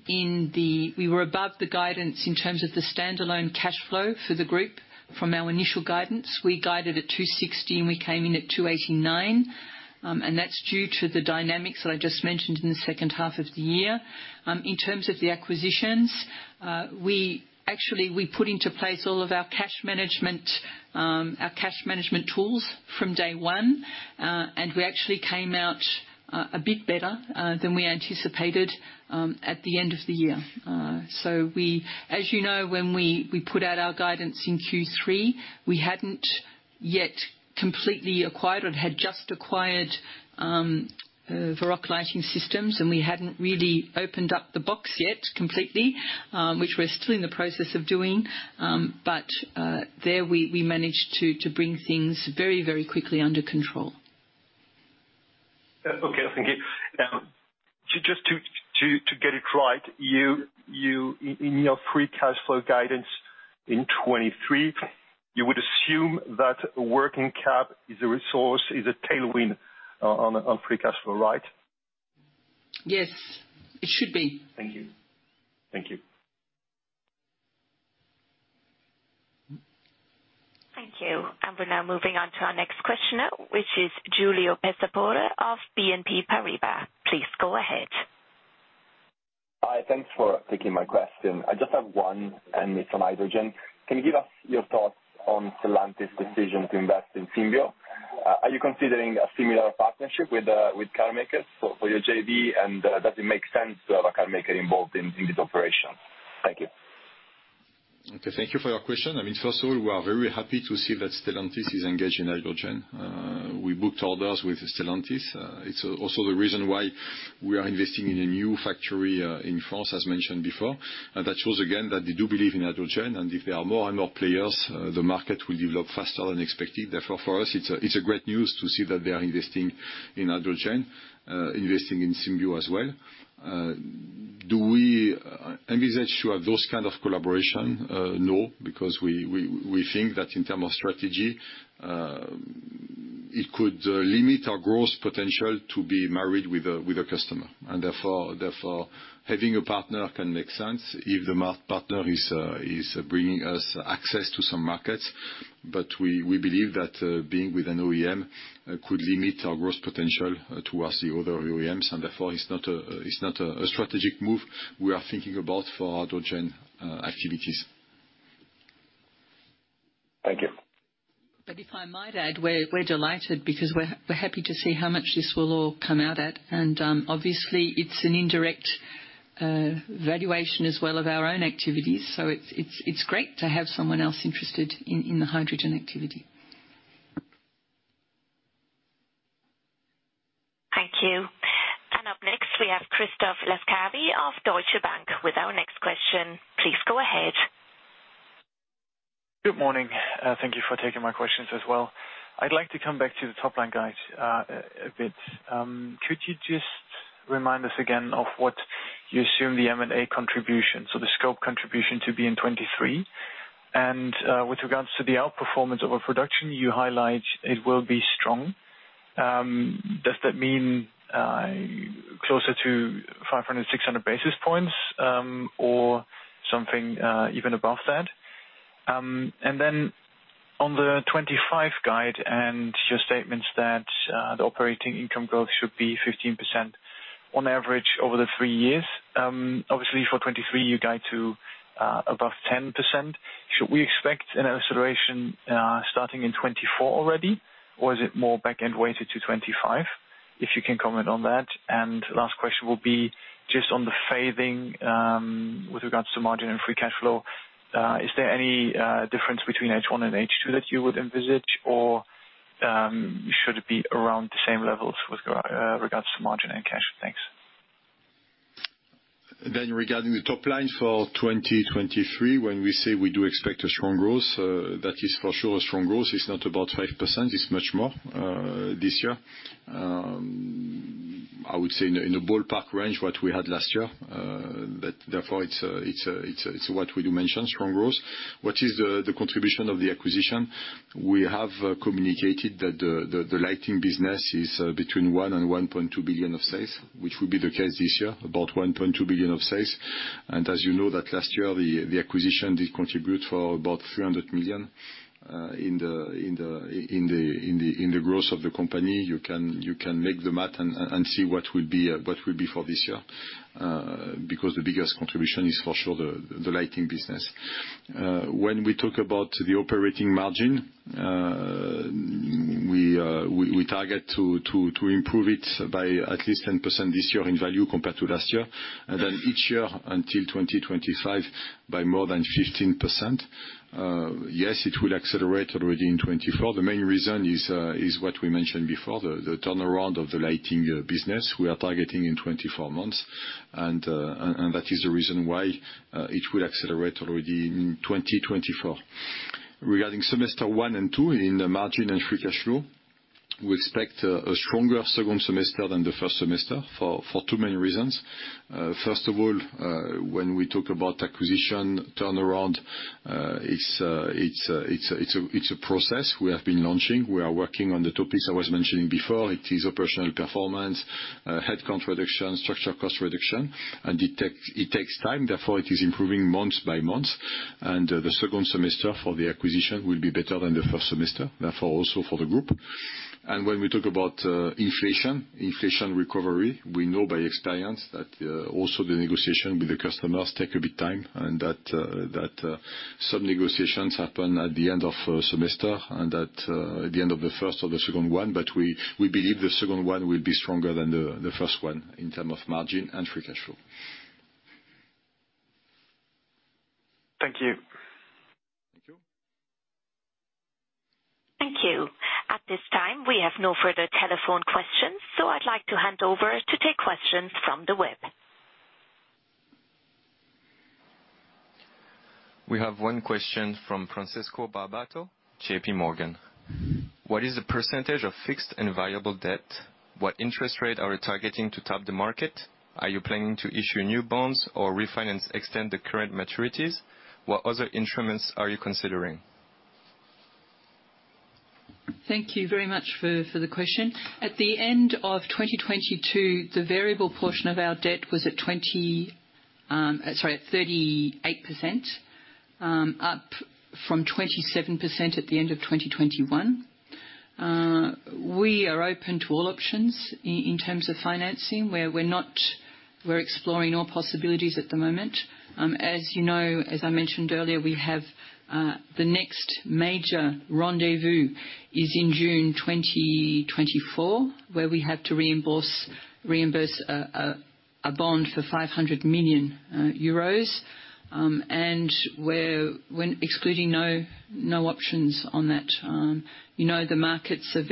S2: We were above the guidance in terms of the standalone cash flow for the group from our initial guidance. We guided at 260 and we came in at 289. That's due to the dynamics that I just mentioned in the second half of the year. In terms of the acquisitions, we actually, we put into place all of our cash management, our cash management tools from day one. We actually came out a bit better than we anticipated at the end of the year. We, as you know, when we put out our guidance in Q3, we hadn't yet completely acquired or had just acquired Varroc Lighting Systems, and we hadn't really opened up the box yet completely, which we're still in the process of doing. There we managed to bring things very quickly under control.
S8: Okay. Thank you. Just to get it right, you in your free cash flow guidance in 2023, you would assume that working cap is a resource, is a tailwind on free cash flow, right?
S2: Yes. It should be.
S8: Thank you. Thank you.
S4: Thank you. We're now moving on to our next questioner, which is Giulio Pescatore of BNP Paribas. Please go ahead.
S9: Hi. Thanks for taking my question. I just have one, and it's on hydrogen. Can you give us your thoughts on Stellantis' decision to invest in Symbio? Are you considering a similar partnership with car makers for your JV, and does it make sense to have a car maker involved in this operation? Thank you.
S1: Okay. Thank you for your question. I mean, first of all, we are very happy to see that Stellantis is engaged in hydrogen. We booked orders with Stellantis. It's also the reason why we are investing in a new factory in France, as mentioned before. That shows again that they do believe in hydrogen. If there are more and more players, the market will develop faster than expected. Therefore, for us, it's a great news to see that they are investing in hydrogen, investing in Symbio as well. Do we envisage to have those kind of collaboration? No, because we think that in term of strategy, it could limit our growth potential to be married with a customer. Therefore, having a partner can make sense if the partner is bringing us access to some markets. We believe that being with an OEM could limit our growth potential towards the other OEMs, and therefore it's not a, it's not a strategic move we are thinking about for hydrogen activities.
S9: Thank you.
S2: If I might add, we're delighted because we're happy to see how much this will all come out at. Obviously it's an indirect valuation as well of our own activities, so it's great to have someone else interested in the hydrogen activity.
S4: Thank you. Up next, we have Christoph Laskawi of Deutsche Bank with our next question. Please go ahead.
S10: Good morning. Thank you for taking my questions as well. I'd like to come back to the top line guide, a bit. Could you just remind us again of what you assume the M&A contribution, so the scope contribution to be in 23? With regards to the outperformance of our production, you highlight it will be strong. Does that mean closer to 500-600 basis points, or something even above that? On the 2025 guide and your statements that the operating income growth should be 15% on average over the 3 years. Obviously for 2023 you guide to above 10%. Should we expect an acceleration starting in 2024 already? Or is it more back end weighted to 2025? If you can comment on that. Last question will be just on the fading with regards to margin and free cash flow. Is there any difference between H1 and H2 that you would envisage or should it be around the same levels with regards to margin and cash? Thanks.
S1: Regarding the top line for 2023, when we say we do expect a strong growth, that is for sure a strong growth. It's not about 5%, it's much more this year. I would say in a ballpark range what we had last year. That therefore it's what we do mention, strong growth. What is the contribution of the acquisition? We have communicated that the lighting business is between 1 billion and 1.2 billion of sales, which will be the case this year, about 1.2 billion of sales. As you know that last year, the acquisition did contribute for about 300 million in the growth of the company. You can make the math and see what will be, what will be for this year, because the biggest contribution is for sure the lighting business. When we talk about the operating margin, we target to improve it by at least 10% this year in value compared to last year. Each year until 2025 by more than 15%. Yes, it will accelerate already in 2024. The main reason is what we mentioned before, the turnaround of the lighting business. We are targeting in 24 months. That is the reason why it will accelerate already in 2024. Regarding semester 1 and 2 in the margin and free cash flow, we expect a stronger second semester than the first semester for two main reasons. First of all, when we talk about acquisition turnaround, it's a process we have been launching. We are working on the topics I was mentioning before. It is operational performance, headcount reduction, structural cost reduction, and it takes time, therefore, it is improving month by month. The second semester for the acquisition will be better than the first semester, therefore, also for the group. When we talk about inflation recovery, we know by experience that also the negotiation with the customers take a bit time and that some negotiations happen at the end of a semester and that at the end of the first or the second one. We believe the second one will be stronger than the first one in term of margin and free cash flow.
S10: Thank you.
S1: Thank you.
S4: Thank you. At this time, we have no further telephone questions, so I'd like to hand over to take questions from the web. We have one question from Francesco Barbato, JPMorgan. What is the % of fixed and variable debt? What interest rate are we targeting to top the market? Are you planning to issue new bonds or refinance, extend the current maturities? What other instruments are you considering?
S2: Thank you very much for the question. At the end of 2022, the variable portion of our debt was at 38%, up from 27% at the end of 2021. We are open to all options in terms of financing. We're exploring all possibilities at the moment. As you know, as I mentioned earlier, we have the next major rendezvous in June 2024, where we have to reimburse a bond for 500 million euros. We're excluding no options on that. You know, the markets are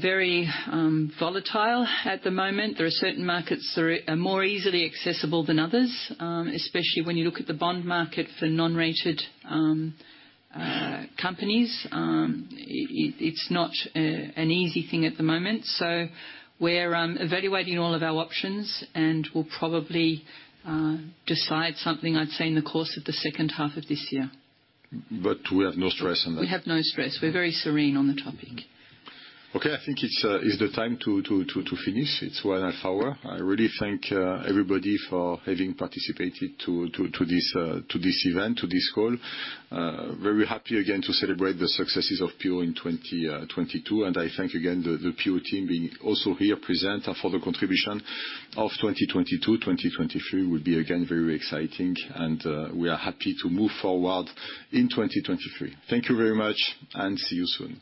S2: very volatile at the moment. There are certain markets that are more easily accessible than others, especially when you look at the bond market for non-rated companies. It's not an easy thing at the moment. We're evaluating all of our options, and we'll probably decide something, I'd say, in the course of the second half of this year.
S1: We have no stress on that.
S2: We have no stress. We're very serene on the topic.
S1: Okay. I think it's time to finish. It's one and half hour. I really thank everybody for having participated to this event, to this call. Very happy again to celebrate the successes of PO in 2022. I thank again the PO team being also here present and for the contribution of 2022. 2023 will be again very exciting. We are happy to move forward in 2023. Thank you very much and see you soon.